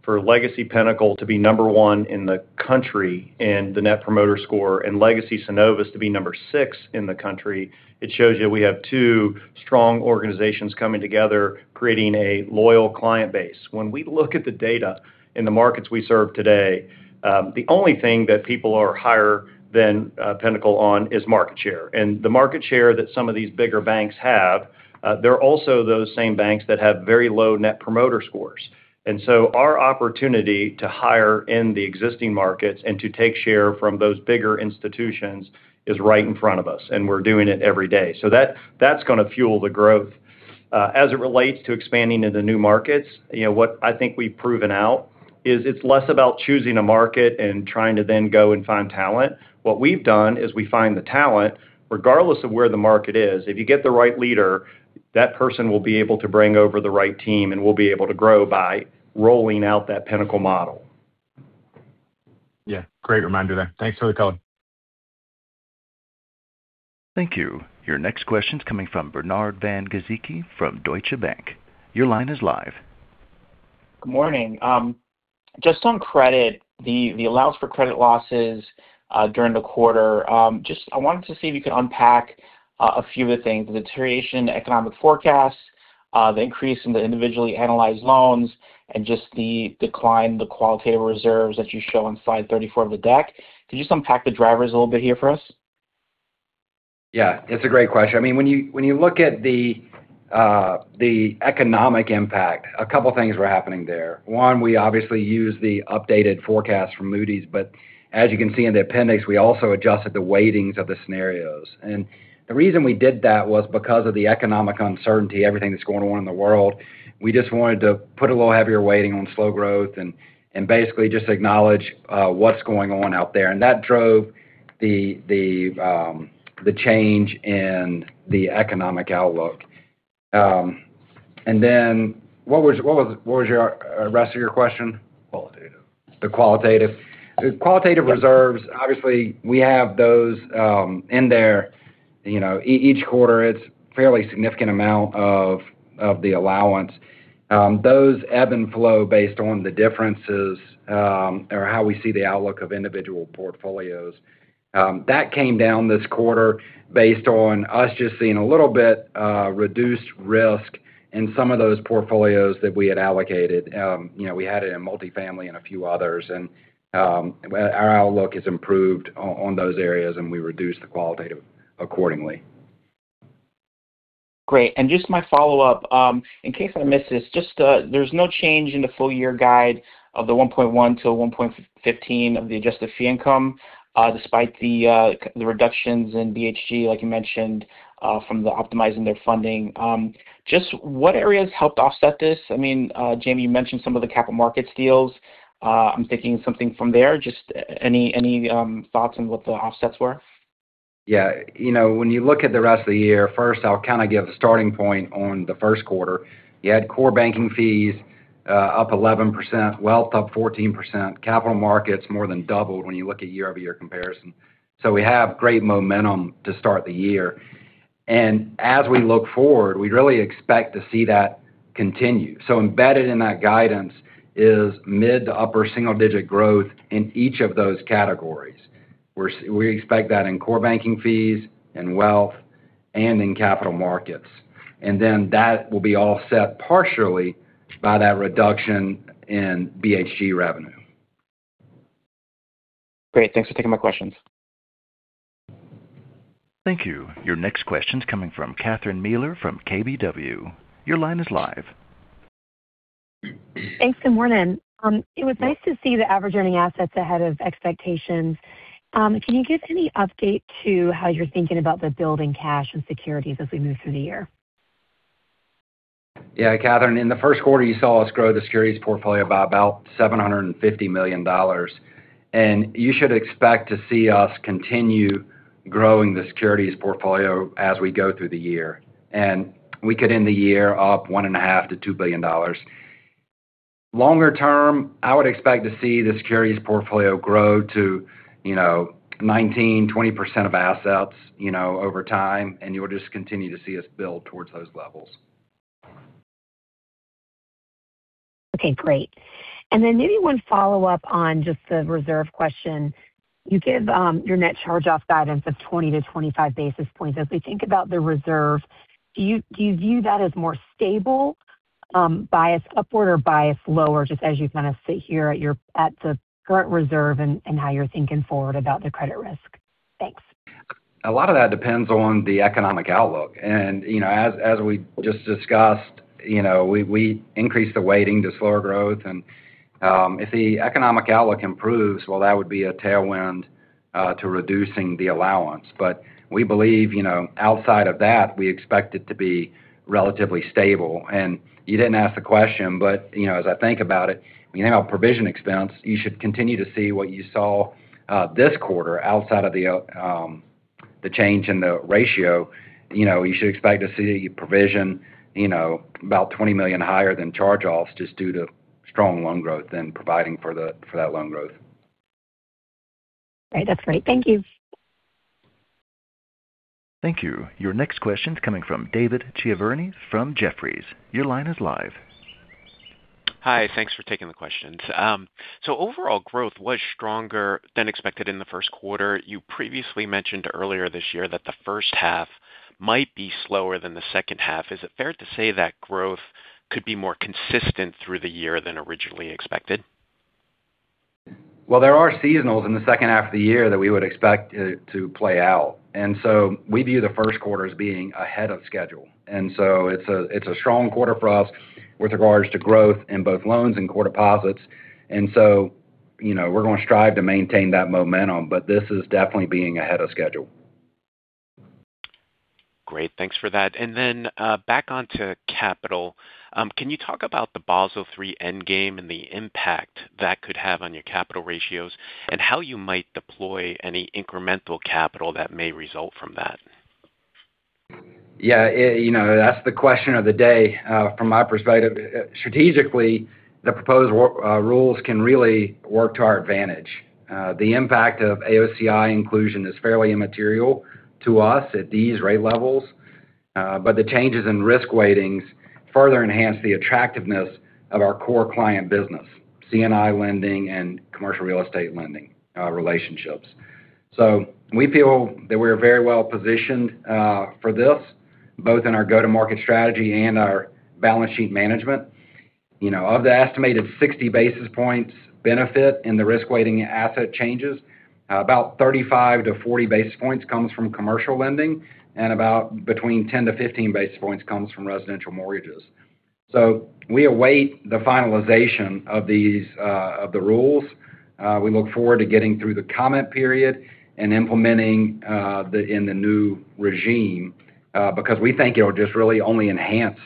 but for legacy Pinnacle to be number one in the country in the net promoter score and legacy Synovus to be number six in the country, it shows you we have two strong organizations coming together, creating a loyal client base. When we look at the data in the markets we serve today, the only thing that people are higher than Pinnacle on is market share. The market share that some of these bigger banks have, they're also those same banks that have very low net promoter scores. Our opportunity to hire in the existing markets and to take share from those bigger institutions is right in front of us, and we're doing it every day. That's going to fuel the growth. As it relates to expanding into new markets, what I think we've proven out is it's less about choosing a market and trying to then go and find talent. What we've done is we find the talent, regardless of where the market is. If you get the right leader, that person will be able to bring over the right team, and we'll be able to grow by rolling out that Pinnacle model. Yeah, great reminder there. Thanks for the color. Thank you. Your next question's coming from Bernard von-Gizycki from Deutsche Bank. Your line is live. Good morning. Just on credit, the allowance for credit losses during the quarter, I wanted to see if you could unpack a few of the things, the deterioration in economic forecasts, the increase in the individually analyzed loans, and just the decline in the qualitative reserves that you show on slide 34 of the deck. Could you just unpack the drivers a little bit here for us? Yeah. It's a great question. When you look at the economic impact, a couple things were happening there. One, we obviously used the updated forecast from Moody's, but as you can see in the appendix, we also adjusted the weightings of the scenarios. The reason we did that was because of the economic uncertainty, everything that's going on in the world. We just wanted to put a little heavier weighting on slow growth and basically just acknowledge what's going on out there. That drove the change in the economic outlook. Then what was the rest of your question? Qualitative. Qualitative reserves, obviously we have those in there. Each quarter, it's fairly significant amount of the allowance. Those ebb and flow based on the differences, or how we see the outlook of individual portfolios. That came down this quarter based on us just seeing a little bit reduced risk in some of those portfolios that we had allocated. We had it in multi-family and a few others. Our outlook has improved on those areas, and we reduced the qualitative accordingly. Great. Just my follow-up, in case I missed this, there's no change in the full year guide of the $1.1-$1.15 of the adjusted fee income, despite the reductions in BHG, like you mentioned, from the optimizing their funding. Just what areas helped offset this? Jamie, you mentioned some of the capital markets deals. I'm thinking something from there. Just any thoughts on what the offsets were? Yeah. When you look at the rest of the year, first, I'll kind of give the starting point on the first quarter. You had core banking fees up 11%, wealth up 14%, capital markets more than doubled when you look at year-over-year comparison. We have great momentum to start the year. As we look forward, we'd really expect to see that continue. Embedded in that guidance is mid to upper single-digit growth in each of those categories. We expect that in core banking fees, in wealth, and in capital markets. Then that will be offset partially by that reduction in BHG revenue. Great. Thanks for taking my questions. Thank you. Your next question's coming from Catherine Mealor from KBW. Your line is live. Thanks. Good morning. It was nice to see the average earning assets ahead of expectations. Can you give any update to how you're thinking about the building cash and securities as we move through the year? Yeah, Catherine, in the first quarter, you saw us grow the securities portfolio by about $750 million. You should expect to see us continue growing the securities portfolio as we go through the year. We could end the year up $1.5 billion-$2 billion. Longer term, I would expect to see the securities portfolio grow to 19%-20% of assets over time, and you'll just continue to see us build towards those levels. Okay, great. Maybe one follow-up on just the reserve question. You gave your net charge-off guidance of 20-25 basis points. As we think about the reserve, do you view that as more stable, bias upward or bias lower, just as you kind of sit here at the current reserve and how you're thinking forward about the credit risk? Thanks. A lot of that depends on the economic outlook. As we just discussed, we increased the weighting to slower growth. If the economic outlook improves, well, that would be a tailwind to reducing the allowance. We believe, outside of that, we expect it to be relatively stable. You didn't ask the question, but as I think about it, provision expense, you should continue to see what you saw this quarter outside of the change in the ratio. You should expect to see provision about $20 million higher than charge-offs just due to strong loan growth and providing for that loan growth. All right. That's great. Thank you. Thank you. Your next question's coming from David Chiaverini from Jefferies. Your line is live. Hi. Thanks for taking the questions. Overall growth was stronger than expected in the first quarter. You previously mentioned earlier this year that the first half might be slower than the second half. Is it fair to say that growth could be more consistent through the year than originally expected? Well, there are seasonals in the second half of the year that we would expect to play out, and so we view the first quarter as being ahead of schedule. It's a strong quarter for us with regards to growth in both loans and core deposits. We're going to strive to maintain that momentum. This is definitely being ahead of schedule. Great, thanks for that. Back onto capital. Can you talk about the Basel III end game and the impact that could have on your capital ratios and how you might deploy any incremental capital that may result from that? Yeah, that's the question of the day, from my perspective. Strategically, the proposed rules can really work to our advantage. The impact of AOCI inclusion is fairly immaterial to us at these rate levels. The changes in risk weightings further enhance the attractiveness of our core client business, C&I lending and commercial real estate lending, relationships. We feel that we're very well-positioned for this, both in our go-to-market strategy and our balance sheet management. Of the estimated 60 basis points benefit in the risk-weighted asset changes, about 35-40 basis points comes from commercial lending and about between 10-15 basis points comes from residential mortgages. We await the finalization of the rules. We look forward to getting through the comment period and implementing in the new regime, because we think it'll just really only enhance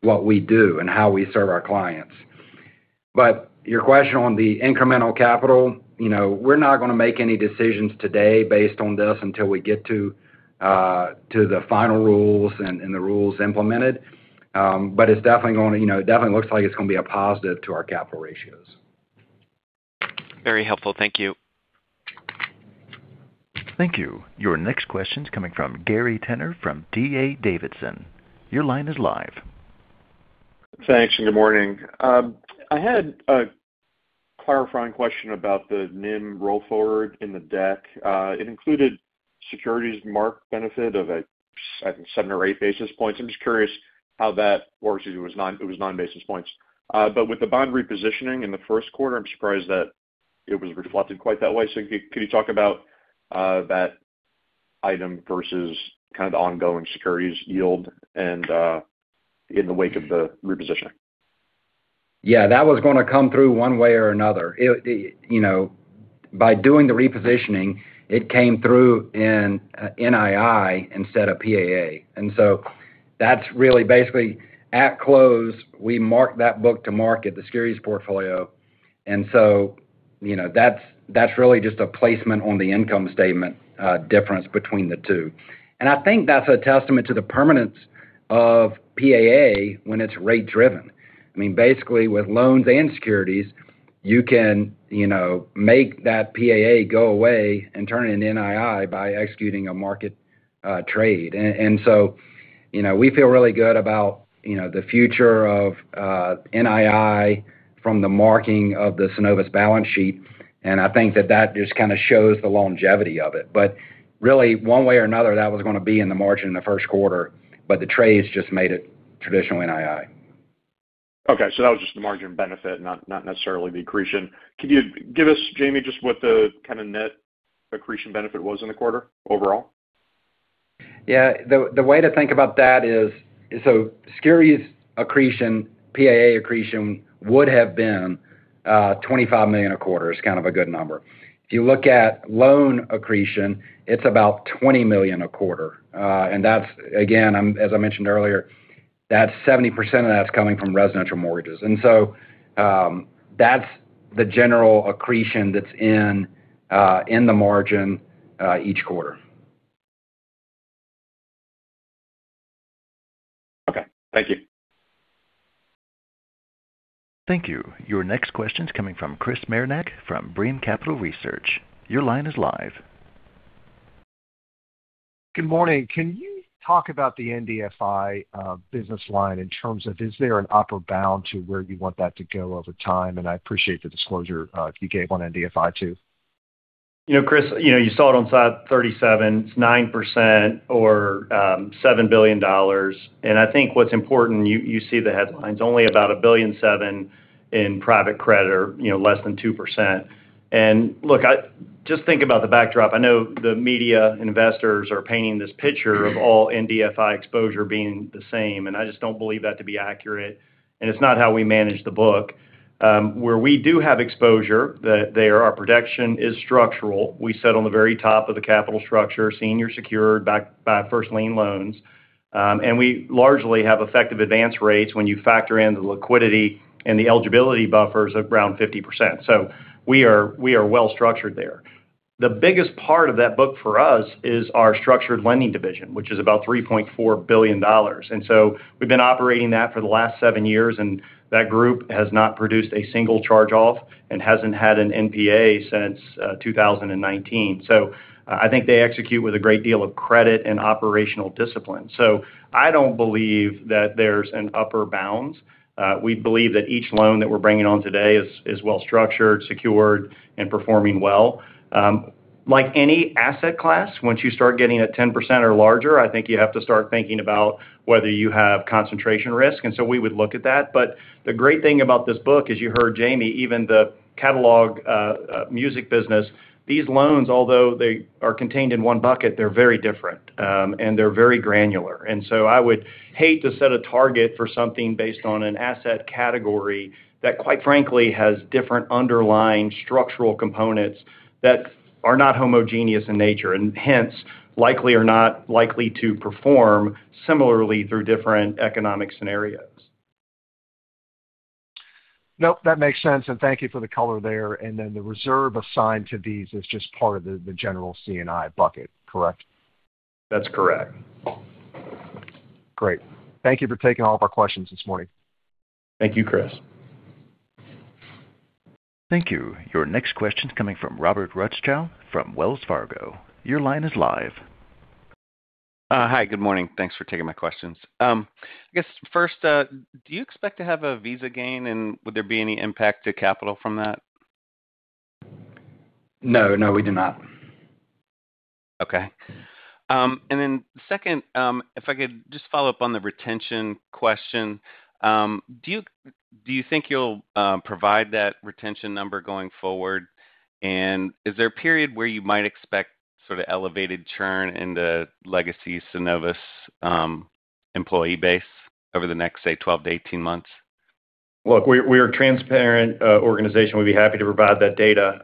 what we do and how we serve our clients. Your question on the incremental capital, we're not going to make any decisions today based on this until we get to the final rules and the rules implemented. It definitely looks like it's going to be a positive to our capital ratios. Very helpful. Thank you. Thank you. Your next question's coming from Gary Tenner from D.A. Davidson. Your line is live. Thanks, and good morning. I had a clarifying question about the NIM roll forward in the deck. It included securities mark benefit of, I think, 7 or 8 basis points. I'm just curious how that works. It was 9 basis points. But with the bond repositioning in the first quarter, I'm surprised that it was reflected quite that way. Could you talk about that item versus kind of the ongoing securities yield and in the wake of the repositioning? Yeah, that was going to come through one way or another. By doing the repositioning, it came through in NII instead of PAA. That's really basically at close, we mark that book to market, the securities portfolio. That's really just a placement on the income statement difference between the two. I think that's a testament to the permanence of PAA when it's rate-driven. Basically, with loans and securities, you can make that PAA go away and turn it into NII by executing a market trade. We feel really good about the future of NII from the marking of the Synovus balance sheet. I think that just kind of shows the longevity of it. Really, one way or another, that was going to be in the margin in the first quarter, but the trades just made it traditional NII. Okay, that was just the margin benefit, not necessarily the accretion. Could you give us, Jamie, just what the kind of net accretion benefit was in the quarter overall? Yeah. The way to think about that is, so securities accretion, PAA accretion would have been $25 million a quarter is kind of a good number. If you look at loan accretion, it's about $20 million a quarter. That's, again, as I mentioned earlier, 70% of that is coming from residential mortgages. That's the general accretion that's in the margin each quarter. Okay, thank you. Thank you. Your next question's coming from Christopher Marinac from Brean Capital Research. Your line is live. Good morning. Can you talk about the NDFI business line in terms of, is there an upper bound to where you want that to go over time? I appreciate the disclosure you gave on NDFI, too. Chris, you saw it on slide 37. It's 9% or $7 billion. I think what's important, you see the headlines, only about $1.7 billion in private credit or less than 2%. Look, just think about the backdrop. I know the media investors are painting this picture of all NDFI exposure being the same, and I just don't believe that to be accurate, and it's not how we manage the book. Where we do have exposure, there our protection is structural. We sit on the very top of the capital structure, senior secured, backed by first lien loans. We largely have effective advance rates when you factor in the liquidity and the eligibility buffers of around 50%. We are well-structured there. The biggest part of that book for us is our structured lending division, which is about $3.4 billion. We've been operating that for the last seven years, and that group has not produced a single charge-off and hasn't had an NPA since 2019. I think they execute with a great deal of credit and operational discipline. I don't believe that there's an upper bound. We believe that each loan that we're bringing on today is well-structured, secured, and performing well. Like any asset class, once you start getting at 10% or larger, I think you have to start thinking about whether you have concentration risk. We would look at that. The great thing about this book is, you heard Jamie, even the catalog music business, these loans, although they are contained in one bucket, they're very different. They're very granular. I would hate to set a target for something based on an asset category that quite frankly has different underlying structural components that are not homogeneous in nature, and hence, are not likely to perform similarly through different economic scenarios. Nope, that makes sense. Thank you for the color there. The reserve assigned to these is just part of the general C&I bucket, correct? That's correct. Great. Thank you for taking all of our questions this morning. Thank you, Chris. Thank you. Your next question's coming from Robert Rutschow from Wells Fargo. Your line is live. Hi. Good morning. Thanks for taking my questions. I guess, first, do you expect to have a Visa gain, and would there be any impact to capital from that? No, we do not. Okay. Second, if I could just follow up on the retention question. Do you think you'll provide that retention number going forward? Is there a period where you might expect sort of elevated churn in the legacy Synovus employee base over the next, say, 12-18 months? Look, we're a transparent organization. We'd be happy to provide that data.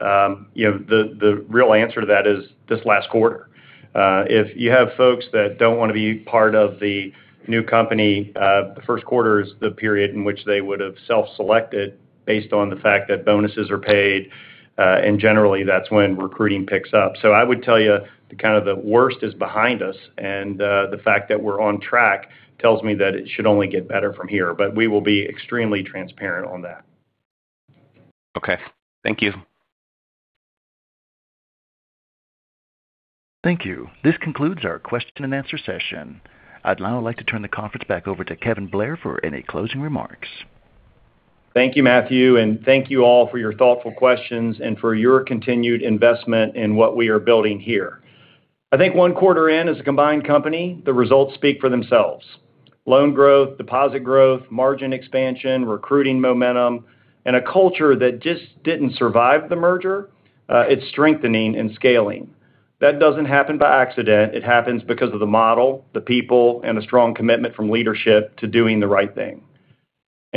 The real answer to that is this last quarter. If you have folks that don't want to be part of the new company, the first quarter is the period in which they would've self-selected based on the fact that bonuses are paid. Generally, that's when recruiting picks up. I would tell you the worst is behind us. The fact that we're on track tells me that it should only get better from here. We will be extremely transparent on that. Okay. Thank you. Thank you. This concludes our question and answer session. I'd now like to turn the conference back over to Kevin Blair for any closing remarks. Thank you, Matthew, and thank you all for your thoughtful questions and for your continued investment in what we are building here. I think one quarter in as a combined company, the results speak for themselves. Loan growth, deposit growth, margin expansion, recruiting momentum, and a culture that didn't just survive the merger. It's strengthening and scaling. That doesn't happen by accident. It happens because of the model, the people, and a strong commitment from leadership to doing the right thing.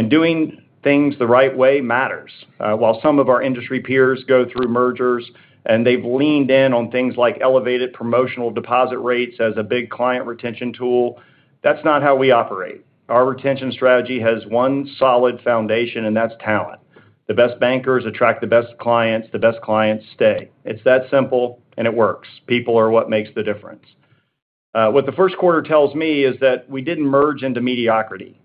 Doing things the right way matters. While some of our industry peers go through mergers and they've leaned in on things like elevated promotional deposit rates as a big client retention tool, that's not how we operate. Our retention strategy has one solid foundation, and that's talent. The best bankers attract the best clients, the best clients stay. It's that simple and it works. People are what makes the difference. What the first quarter tells me is that we didn't merge into mediocrity.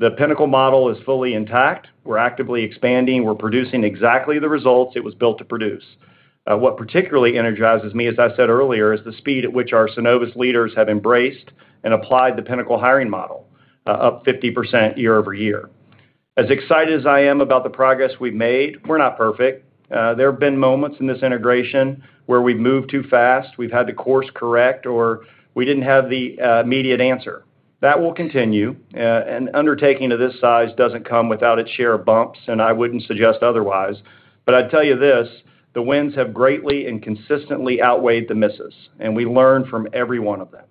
The Pinnacle model is fully intact. We're actively expanding. We're producing exactly the results it was built to produce. What particularly energizes me, as I said earlier, is the speed at which our Synovus leaders have embraced and applied the Pinnacle hiring model, up 50% year-over-year. As excited as I am about the progress we've made, we're not perfect. There have been moments in this integration where we've moved too fast, we've had to course correct, or we didn't have the immediate answer. That will continue. An undertaking of this size doesn't come without its share of bumps, and I wouldn't suggest otherwise. I'd tell you this, the wins have greatly and consistently outweighed the misses, and we learn from every one of them.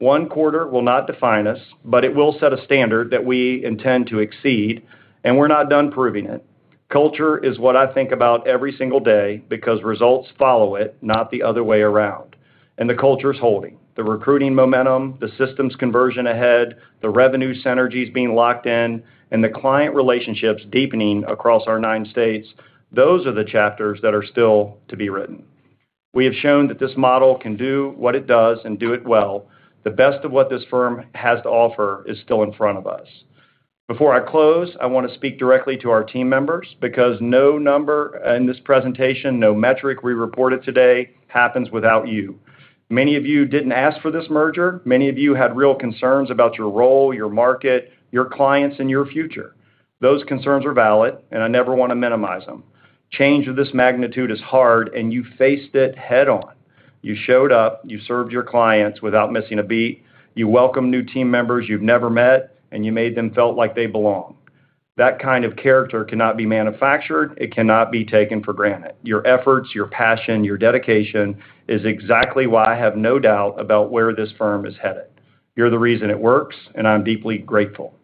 One quarter will not define us, but it will set a standard that we intend to exceed, and we're not done proving it. Culture is what I think about every single day because results follow it, not the other way around. The culture's holding. The recruiting momentum, the systems conversion ahead, the revenue synergies being locked in, and the client relationships deepening across our nine states, those are the chapters that are still to be written. We have shown that this model can do what it does and do it well. The best of what this firm has to offer is still in front of us. Before I close, I want to speak directly to our team members because no number in this presentation, no metric we reported today happens without you. Many of you didn't ask for this merger. Many of you had real concerns about your role, your market, your clients, and your future. Those concerns are valid, and I never want to minimize them. Change of this magnitude is hard, and you faced it head on. You showed up, you served your clients without missing a beat. You welcome new team members you've never met, and you made them feel like they belong. That kind of character cannot be manufactured. It cannot be taken for granted. Your efforts, your passion, your dedication is exactly why I have no doubt about where this firm is headed. You're the reason it works, and I'm deeply grateful.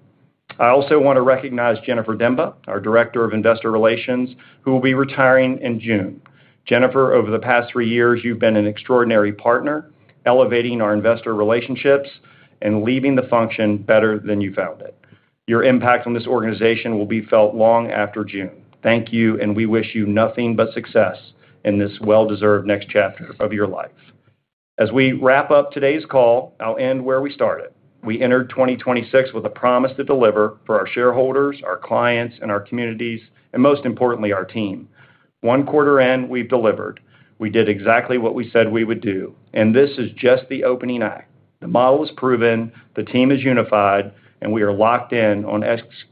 I also want to recognize Jennifer Demba, our Director of Investor Relations, who will be retiring in June. Jennifer, over the past three years, you've been an extraordinary partner, elevating our investor relationships and leaving the function better than you found it. Your impact on this organization will be felt long after June. Thank you, and we wish you nothing but success in this well-deserved next chapter of your life. As we wrap up today's call, I'll end where we started. We entered 2026 with a promise to deliver for our shareholders, our clients, and our communities, and most importantly, our team. One quarter in, we've delivered. We did exactly what we said we would do, and this is just the opening act. The model is proven, the team is unified, and we are locked in on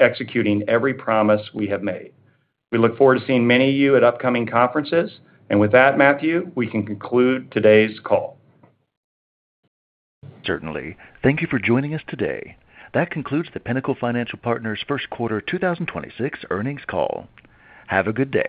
executing every promise we have made. We look forward to seeing many of you at upcoming conferences. With that, Matthew, we can conclude today's call. Certainly. Thank you for joining us today. That concludes the Pinnacle Financial Partners first quarter 2026 earnings call. Have a good day.